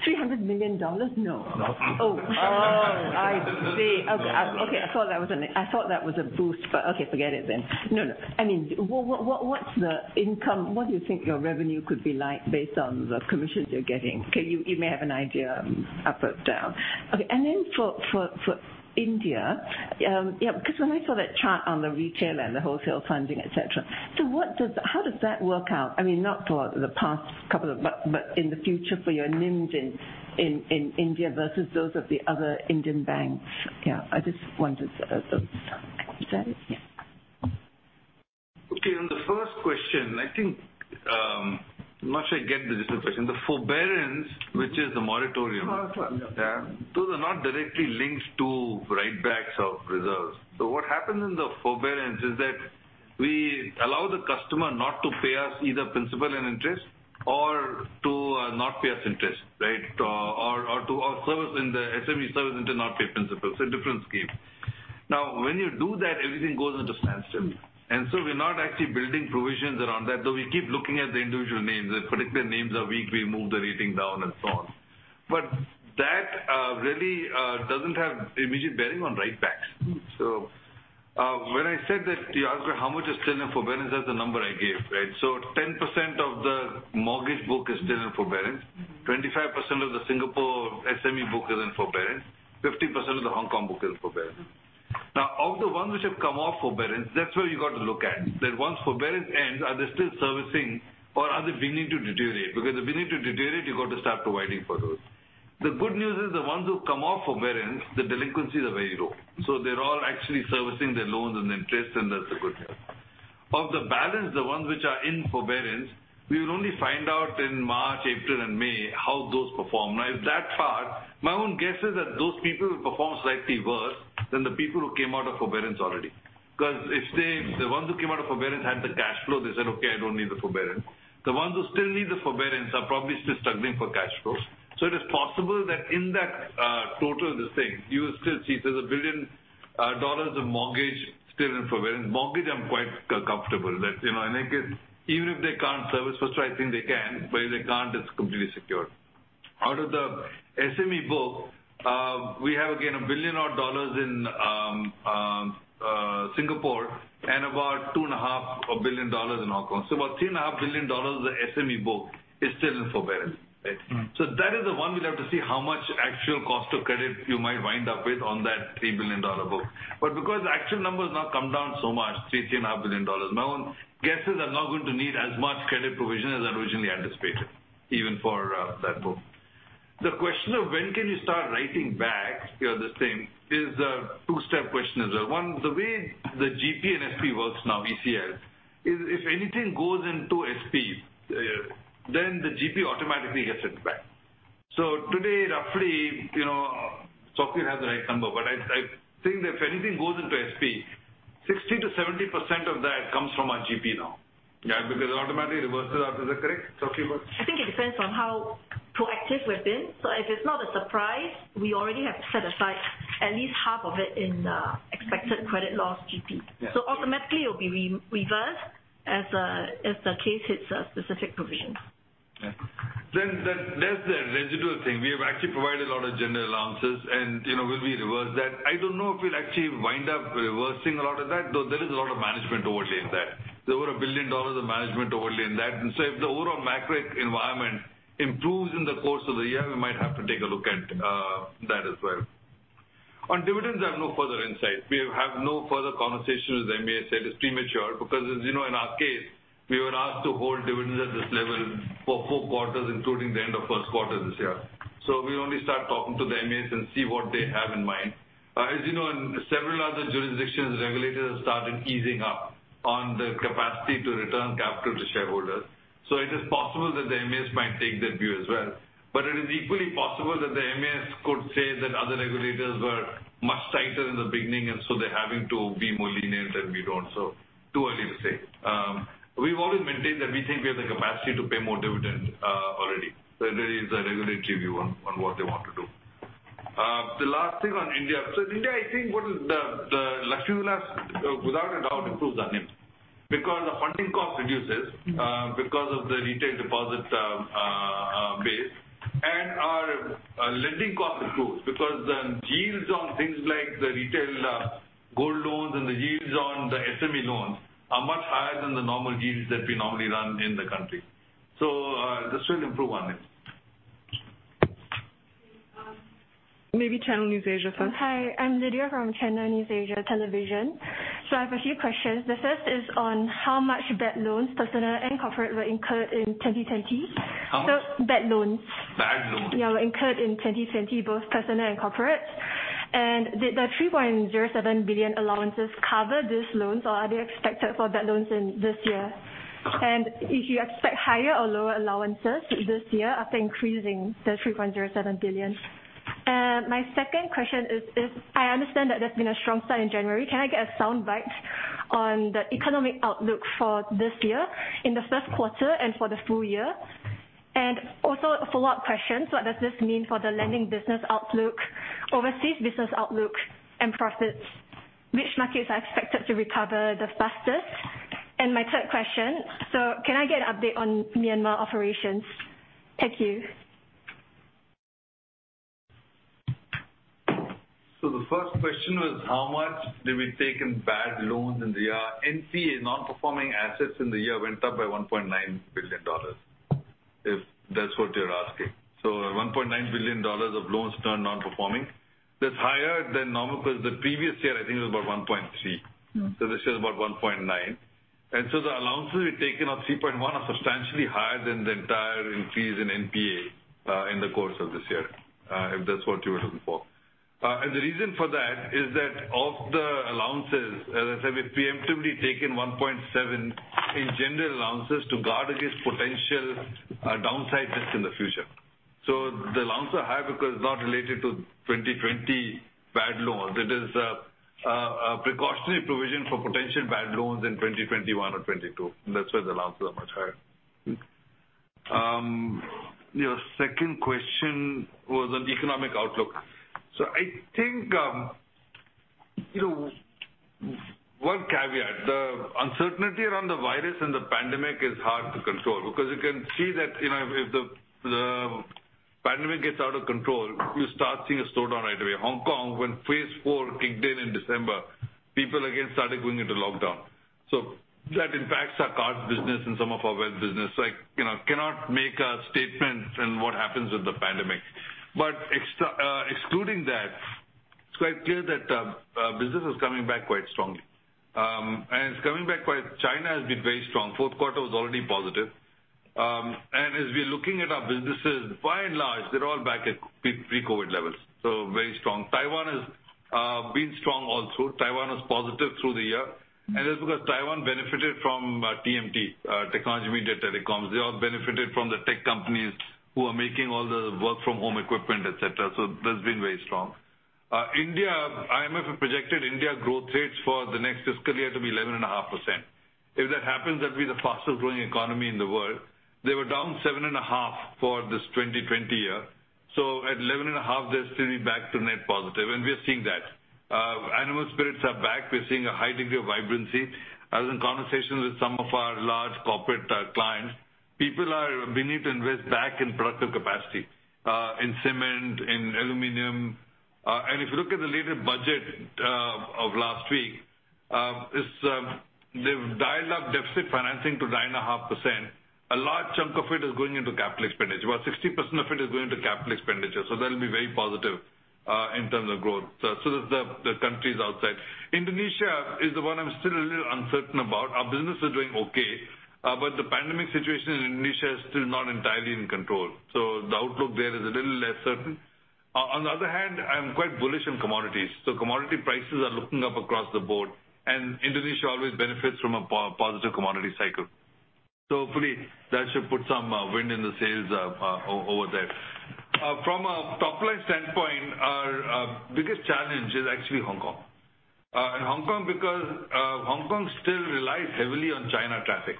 $300 million? No. No. Oh. Oh, I see. Okay. I thought that was a boost, but okay, forget it then. No. I mean, what's the income? What do you think your revenue could be like based on the commissions you're getting? Okay, you may have an idea, up or down. Okay. Then for India, yeah, because when I saw that chart on the retail and the wholesale funding, etcetera, so, how does that work out? I mean, not for the past couple of, but in the future for your NIM in India versus those of the other Indian banks? Yeah. I just wondered. Is that it? Yeah. Okay. On the first question, I think, I'm not sure I get the digital question. The forbearance, which is the moratorium. Moratorium. Yeah. Those are not directly linked to write-backs of reserves. What happens in the forbearance is that we allow the customer not to pay us either principal and interest or to not pay us interest, right? Or to service in the SME sector and to not pay principal. It's a different scheme. Now, when you do that, everything goes into standstill. We're not actually building provisions around that, though we keep looking at the individual names. If particular names are weak, we move the rating down and so on. That really doesn't have immediate bearing on write-backs. When I said that, you asked how much is still in forbearance, that's the number I gave, right? 10% of the mortgage book is still in forbearance. 25% of the Singapore SME book is in forbearance. 50% of the Hong Kong book is in forbearance. Now, of the ones which have come off forbearance, that's where you got to look at. That once forbearance ends, are they still servicing or are they beginning to deteriorate? Because if they're beginning to deteriorate, you've got to start providing for those. The good news is the ones who've come off forbearance, the delinquencies are very low. So they're all actually servicing their loans and interest, and that's the good news. Of the balance, the ones which are in forbearance, we will only find out in March, April and May how those perform, right? If that far, my own guess is that those people will perform slightly worse than the people who came out of forbearance already. Because if they, the ones who came out of forbearance had the cash flow, they said, okay, I don't need the forbearance. The ones who still need the forbearance are probably still struggling for cash flow. It is possible that in that total, the same, you will still see there's $1 billion of mortgage still in forbearance. Mortgage, I'm quite comfortable that, you know, I think it's even if they can't service, which I think they can, but if they can't, it's completely secure. Out of the SME book, we have, again, $1 billion in Singapore, and about $2.5 billion in Hong Kong. About $3.5 billion of the SME book is still in forbearance, right? Mm-hmm. That is the one we'll have to see how much actual cost of credit you might wind up with on that $3 billion book. Because the actual number has now come down so much, $3-$3.5 billion, my own guess is I'm not going to need as much credit provision as I'd originally anticipated, even for that book. The question of when can you start writing back, you know, the same, is a two-step question as well. One, the way the GP and SP works now, ECL, is if anything goes into SP, then the GP automatically gets it back. Today, roughly, you know, Sok Hui has the right number, but I think if anything goes into SP, 60%-70% of that comes from our GP now. Yeah, because it automatically reverses. Is that correct, Sok Hui? I think it depends on how proactive we've been. If it's not a surprise, we already have set aside at least half of it in Expected Credit Loss GP. Yeah. Automatically it will be reversed as the case hits a specific provision. Yeah. That's the residual thing. We have actually provided a lot of general allowances and, you know, we'll reverse that. I don't know if we'll actually wind up reversing a lot of that, though there is a lot of management overlay in that. There were 1 billion dollars of management overlay in that. If the overall macro environment improves in the course of the year, we might have to take a look at that as well. On dividends, I have no further insight. We have had no further conversation with MAS. It is premature because as you know, in our case, we were asked to hold dividends at this level for four quarters, including the end of first quarter this year. We only start talking to the MAS and see what they have in mind. As you know, in several other jurisdictions, regulators have started easing up on the capacity to return capital to shareholders. It is possible that the MAS might take that view as well. It is equally possible that the MAS could say that other regulators were much tighter in the beginning and so they're having to be more lenient, and we don't. Too early to say. We've always maintained that we think we have the capacity to pay more dividend already. It is a regulatory view on what they want to do. The last thing on India. In India, I think the Lakshmi Vilas without a doubt improves our NIMs because the funding cost reduces because of the retail deposit base and our lending cost improves because the yields on things like the retail gold loans and the yields on the SME loans are much higher than the normal yields that we normally run in the country. This will improve on it. Maybe Channel NewsAsia first. Hi, I'm Lydia from Channel NewsAsia Television. I have a few questions. The first is on how much bad loans, personal and corporate, were incurred in 2020. How much? Bad loans. Bad loans. Yeah, they were incurred in 2020, both personal and corporate. Did the 3.07 billion allowances cover these loans or are they expected for bad loans in this year? If you expect higher or lower allowances this year after increasing the 3.07 billion. My second question is, as I understand that there's been a strong start in January. Can I get a soundbite on the economic outlook for this year in the first quarter and for the full year? Also a follow-up question, what does this mean for the lending business outlook, overseas business outlook and profits? Which markets are expected to recover the fastest? My third question, can I get an update on Myanmar operations? Thank you. The first question was how much did we take in bad loans in the year? NPA, non-performing assets in the year went up by $1.9 billion, if that's what you're asking. One point nine billion dollars of loans turned non-performing. That's higher than normal 'cause the previous year, I think it was about $1.3 billion. Mm-hmm. This year is about 1.9 billion. The allowances we've taken of 3.1 are substantially higher than the entire increase in NPA in the course of this year, if that's what you were looking for. The reason for that is that of the allowances, as I said, we've preemptively taken 1.7 billion in general allowances to guard against potential downside risks in the future. The allowances are high because it's not related to 2020 bad loans. It is a precautionary provision for potential bad loans in 2021 or 2022, and that's why the allowances are much higher. Your second question was on economic outlook. I think, you know, one caveat. The uncertainty around the virus and the pandemic is hard to control because you can see that if the pandemic gets out of control, you start seeing a slowdown right away. Hong Kong, when phase IV kicked in in December, people again started going into lockdown. That impacts our card business and some of our wealth business. Cannot make a statement on what happens with the pandemic. Excluding that, it's quite clear that business is coming back quite strongly. China has been very strong. Fourth quarter was already positive. As we're looking at our businesses, by and large, they're all back at pre-COVID levels, so very strong. Taiwan has been strong also. Taiwan was positive through the year, and that's because Taiwan benefited from TMT, technology, media, telecoms. They all benefited from the tech companies who are making all the work from home equipment, et cetera. That's been very strong. India, IMF have projected India growth rates for the next fiscal year to be 11.5%. If that happens, that'd be the fastest growing economy in the world. They were down 7.5% for this 2020 year. At 11.5%, they're still back to net positive, and we are seeing that. Animal spirits are back. We're seeing a high degree of vibrancy. I was in conversations with some of our large corporate clients. People are beginning to invest back in productive capacity, in cement, in aluminum. If you look at the latest budget of last week, it's that they've dialed up deficit financing to 9.5%. A large chunk of it is going into capital expenditure. About 60% of it is going to capital expenditure. That'll be very positive in terms of growth. The countries outside. Indonesia is the one I'm still a little uncertain about. Our business is doing okay, but the pandemic situation in Indonesia is still not entirely in control. The outlook there is a little less certain. On the other hand, I'm quite bullish on commodities. Commodity prices are looking up across the board, and Indonesia always benefits from a positive commodity cycle. Hopefully that should put some wind in the sails over there. From a top-line standpoint, our biggest challenge is actually Hong Kong because Hong Kong still relies heavily on China traffic.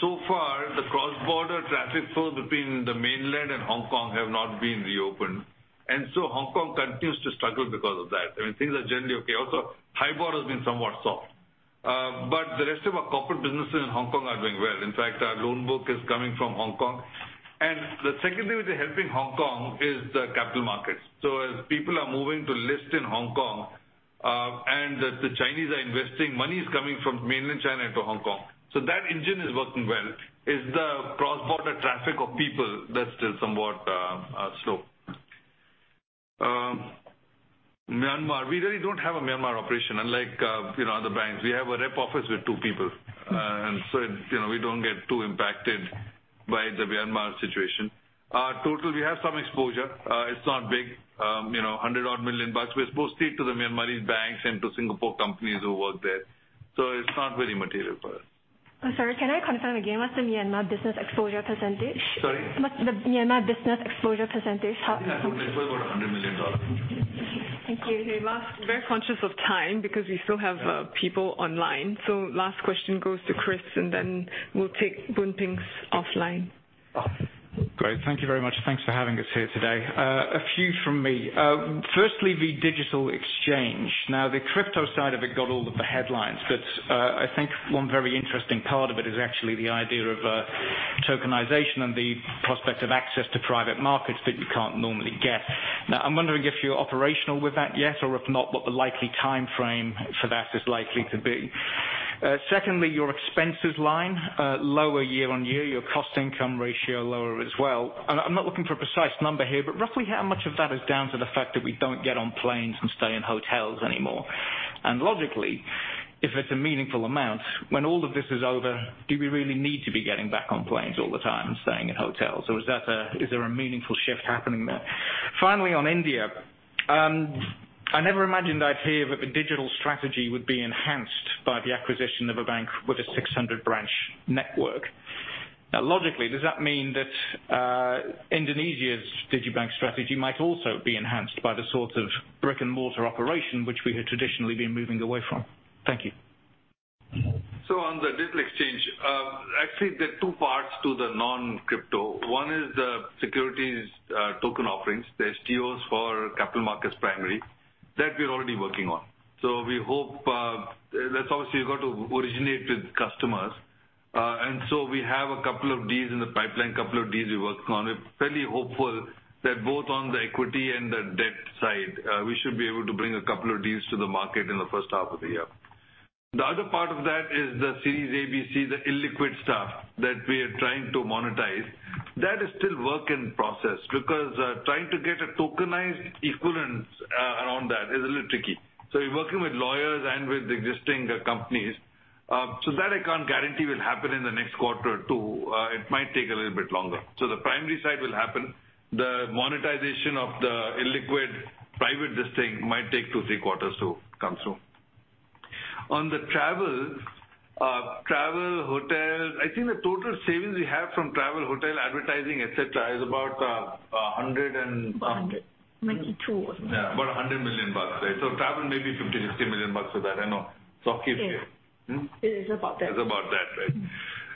So far, the cross-border traffic flow between the mainland and Hong Kong has not been reopened. Hong Kong continues to struggle because of that. I mean, things are generally okay. HIBOR has been somewhat soft. The rest of our corporate businesses in Hong Kong are doing well. In fact, our loan growth is coming from Hong Kong. The second thing helping Hong Kong is the capital markets. People are moving to list in Hong Kong, and the Chinese are investing, money is coming from mainland China into Hong Kong. That engine is working well. It's the cross-border traffic of people that's still somewhat slow. Myanmar, we really don't have a Myanmar operation. Unlike, you know, other banks, we have a rep office with two people. It's, you know, we don't get too impacted by the Myanmar situation. Total, we have some exposure. It's not big. You know, $100-odd million. We're mostly to the Myanmarese banks and to Singapore companies who work there. It's not very material for us. I'm sorry, can I confirm again? What's the Myanmar business exposure percentage? Sorry? What's the Myanmar business exposure percentage? I think that's worth about $100 million. Thank you. Okay, last. Very conscious of time because we still have people online. Last question goes to Chris, and then we'll take Boon Ping's offline. Oh. Great. Thank you very much. Thanks for having us here today. A few from me. Firstly, the digital exchange. Now, the crypto side of it got all of the headlines, but, I think one very interesting part of it is actually the idea of, tokenization and the prospect of access to private markets that you can't normally get. Now, I'm wondering if you're operational with that yet, or if not, what the likely timeframe for that is likely to be. Secondly, your expenses line, lower year-on-year, your cost-income ratio lower as well. I'm not looking for a precise number here, but roughly how much of that is down to the fact that we don't get on planes and stay in hotels anymore? Logically, if it's a meaningful amount, when all of this is over, do we really need to be getting back on planes all the time and staying in hotels, or is there a meaningful shift happening there? Finally, on India, I never imagined I'd hear that the digital strategy would be enhanced by the acquisition of a bank with a 600 branch network. Logically, does that mean that Indonesia's digibank strategy might also be enhanced by the sort of brick-and-mortar operation which we had traditionally been moving away from? Thank you. On the digital exchange, actually there are two parts to the non-crypto. One is the securities token offerings, the STOs for capital markets primary. That we're already working on. We hope, that's obviously got to originate with customers. We have a couple of deals in the pipeline, couple of deals we're working on. We're fairly hopeful that both on the equity and the debt side, we should be able to bring a couple of deals to the market in the first half of the year. The other part of that is the Series A, B, C, the illiquid stuff that we are trying to monetize. That is still work in process because, trying to get a tokenized equivalence around that is a little tricky. We're working with lawyers and with existing companies, so that I can't guarantee will happen in the next quarter or two. It might take a little bit longer. The primary side will happen. The monetization of the illiquid private listing might take two, three quarters to come through. On the travel, hotel, I think the total savings we have from travel, hotel, advertising, et cetera, is about $100 million and $92 million. Yeah. About $100 million, right? Travel may be $50-$60 million with that. I know. It's hockey scale. Yes. Mm-hmm. It is about that. It's about that, right.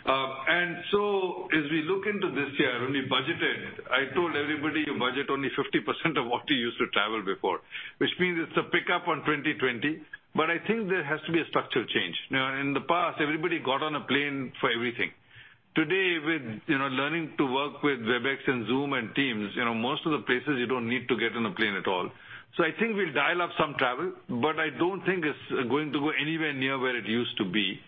As we look into this year, when we budgeted, I told everybody to budget only 50% of what you used to travel before, which means it's a pickup on 2020, but I think there has to be a structural change. Now, in the past, everybody got on a plane for everything. Today, with you know, learning to work with Webex and Zoom and Teams, you know, most of the places you don't need to get on a plane at all. I think we'll dial up some travel, but I don't think it's going to go anywhere near where it used to be.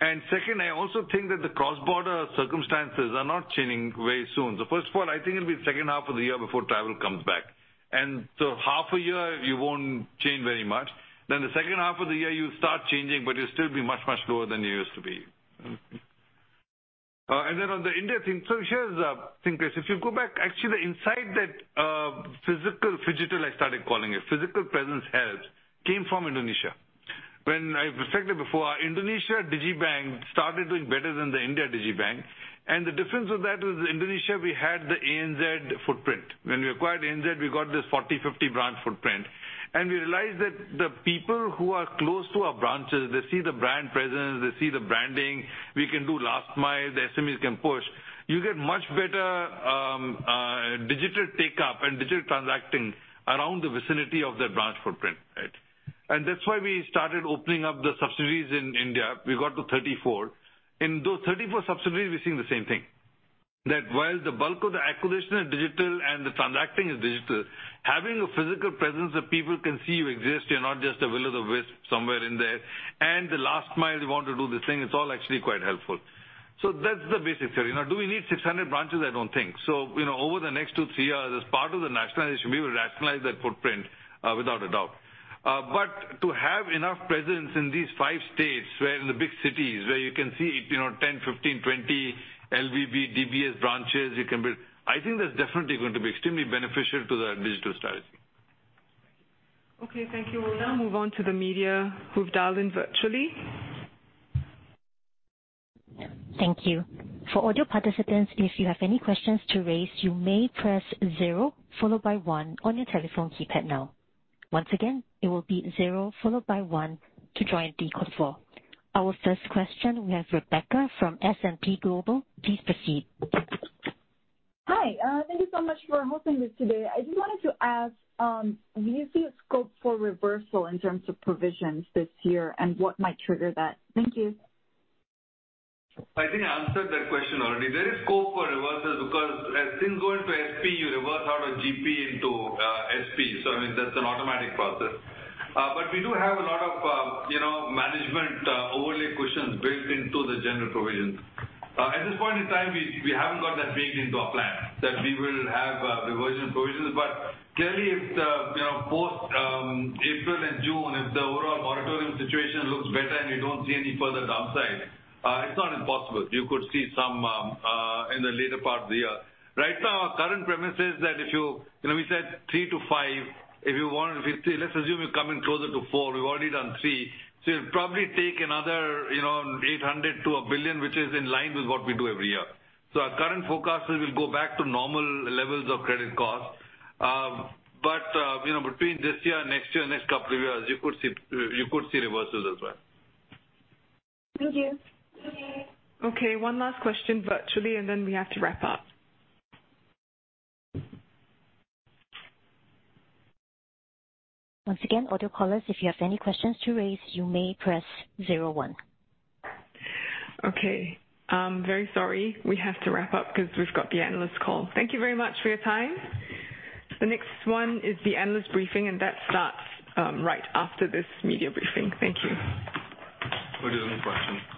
Second, I also think that the cross-border circumstances are not changing very soon. First of all, I think it'll be the second half of the year before travel comes back. Half a year you won't change very much. The second half of the year you'll start changing, but you'll still be much, much lower than you used to be. On the India thing, here's, I think as if you go back actually inside that, physical phygital, I started calling it, physical presence that came from Indonesia. When I've reflected before, Indonesia digibank started doing better than the India digibank. The difference with that was Indonesia we had the ANZ footprint. When we acquired ANZ, we got this 40-50 branch footprint, and we realized that the people who are close to our branches, they see the brand presence, they see the branding. We can do last mile, the SMEs can push. You get much better digital take-up and digital transacting around the vicinity of their branch footprint, right? That's why we started opening up the subsidiaries in India. We got to 34. In those 34 subsidiaries, we're seeing the same thing that while the bulk of the acquisition is digital and the transacting is digital, having a physical presence that people can see you exist, you're not just a will-o'-the-wisp somewhere in there, and the last mile they want to do this thing, it's all actually quite helpful. That's the basic theory. Now, do we need 600 branches? I don't think so, you know, over the next two, three years, as part of the nationalization, we will rationalize that footprint without a doubt. To have enough presence in these five states where in the big cities where you can see, you know, 10, 15, 20 LVB, DBS branches, you can build. I think that's definitely going to be extremely beneficial to the digital strategy. Okay. Thank you. We'll now move on to the media who've dialed in virtually. Thank you. For audio participants, if you have any questions to raise, you may press zero followed by one on your telephone keypad now. Once again, it will be zero followed by one to join the call floor. Our first question, we have Rebecca from S&P Global. Please proceed. Hi, thank you so much for hosting this today. I just wanted to ask, do you see a scope for reversal in terms of provisions this year, and what might trigger that? Thank you. I think I answered that question already. There is scope for reversals because as things go into SP, you reverse out a GP into SP. I mean, that's an automatic process. We do have a lot of, you know, management overlay cushions built into the general provisions. At this point in time, we haven't got that baked into our plan, that we will have reversal provisions. Clearly, if the, you know, post April and June, if the overall moratorium situation looks better and we don't see any further downside, it's not impossible. You could see some in the later part of the year. Right now, our current premise is that you know, we said three to five. If you want, if we say let's assume you're coming closer to four, we've already done three. You'll probably take another, you know, 800 million to 1 billion, which is in line with what we do every year. Our current forecast is we'll go back to normal levels of credit cost. But you know, between this year and next year, next couple of years, you could see reversals as well. Thank you. Okay. One last question virtually, and then we have to wrap up. Once again, audio callers, if you have any questions to raise, you may press zero one. Okay. I'm very sorry. We have to wrap up because we've got the analyst call. Thank you very much for your time. The next one is the analyst briefing, and that starts right after this media briefing. Thank you. We'll do any questions.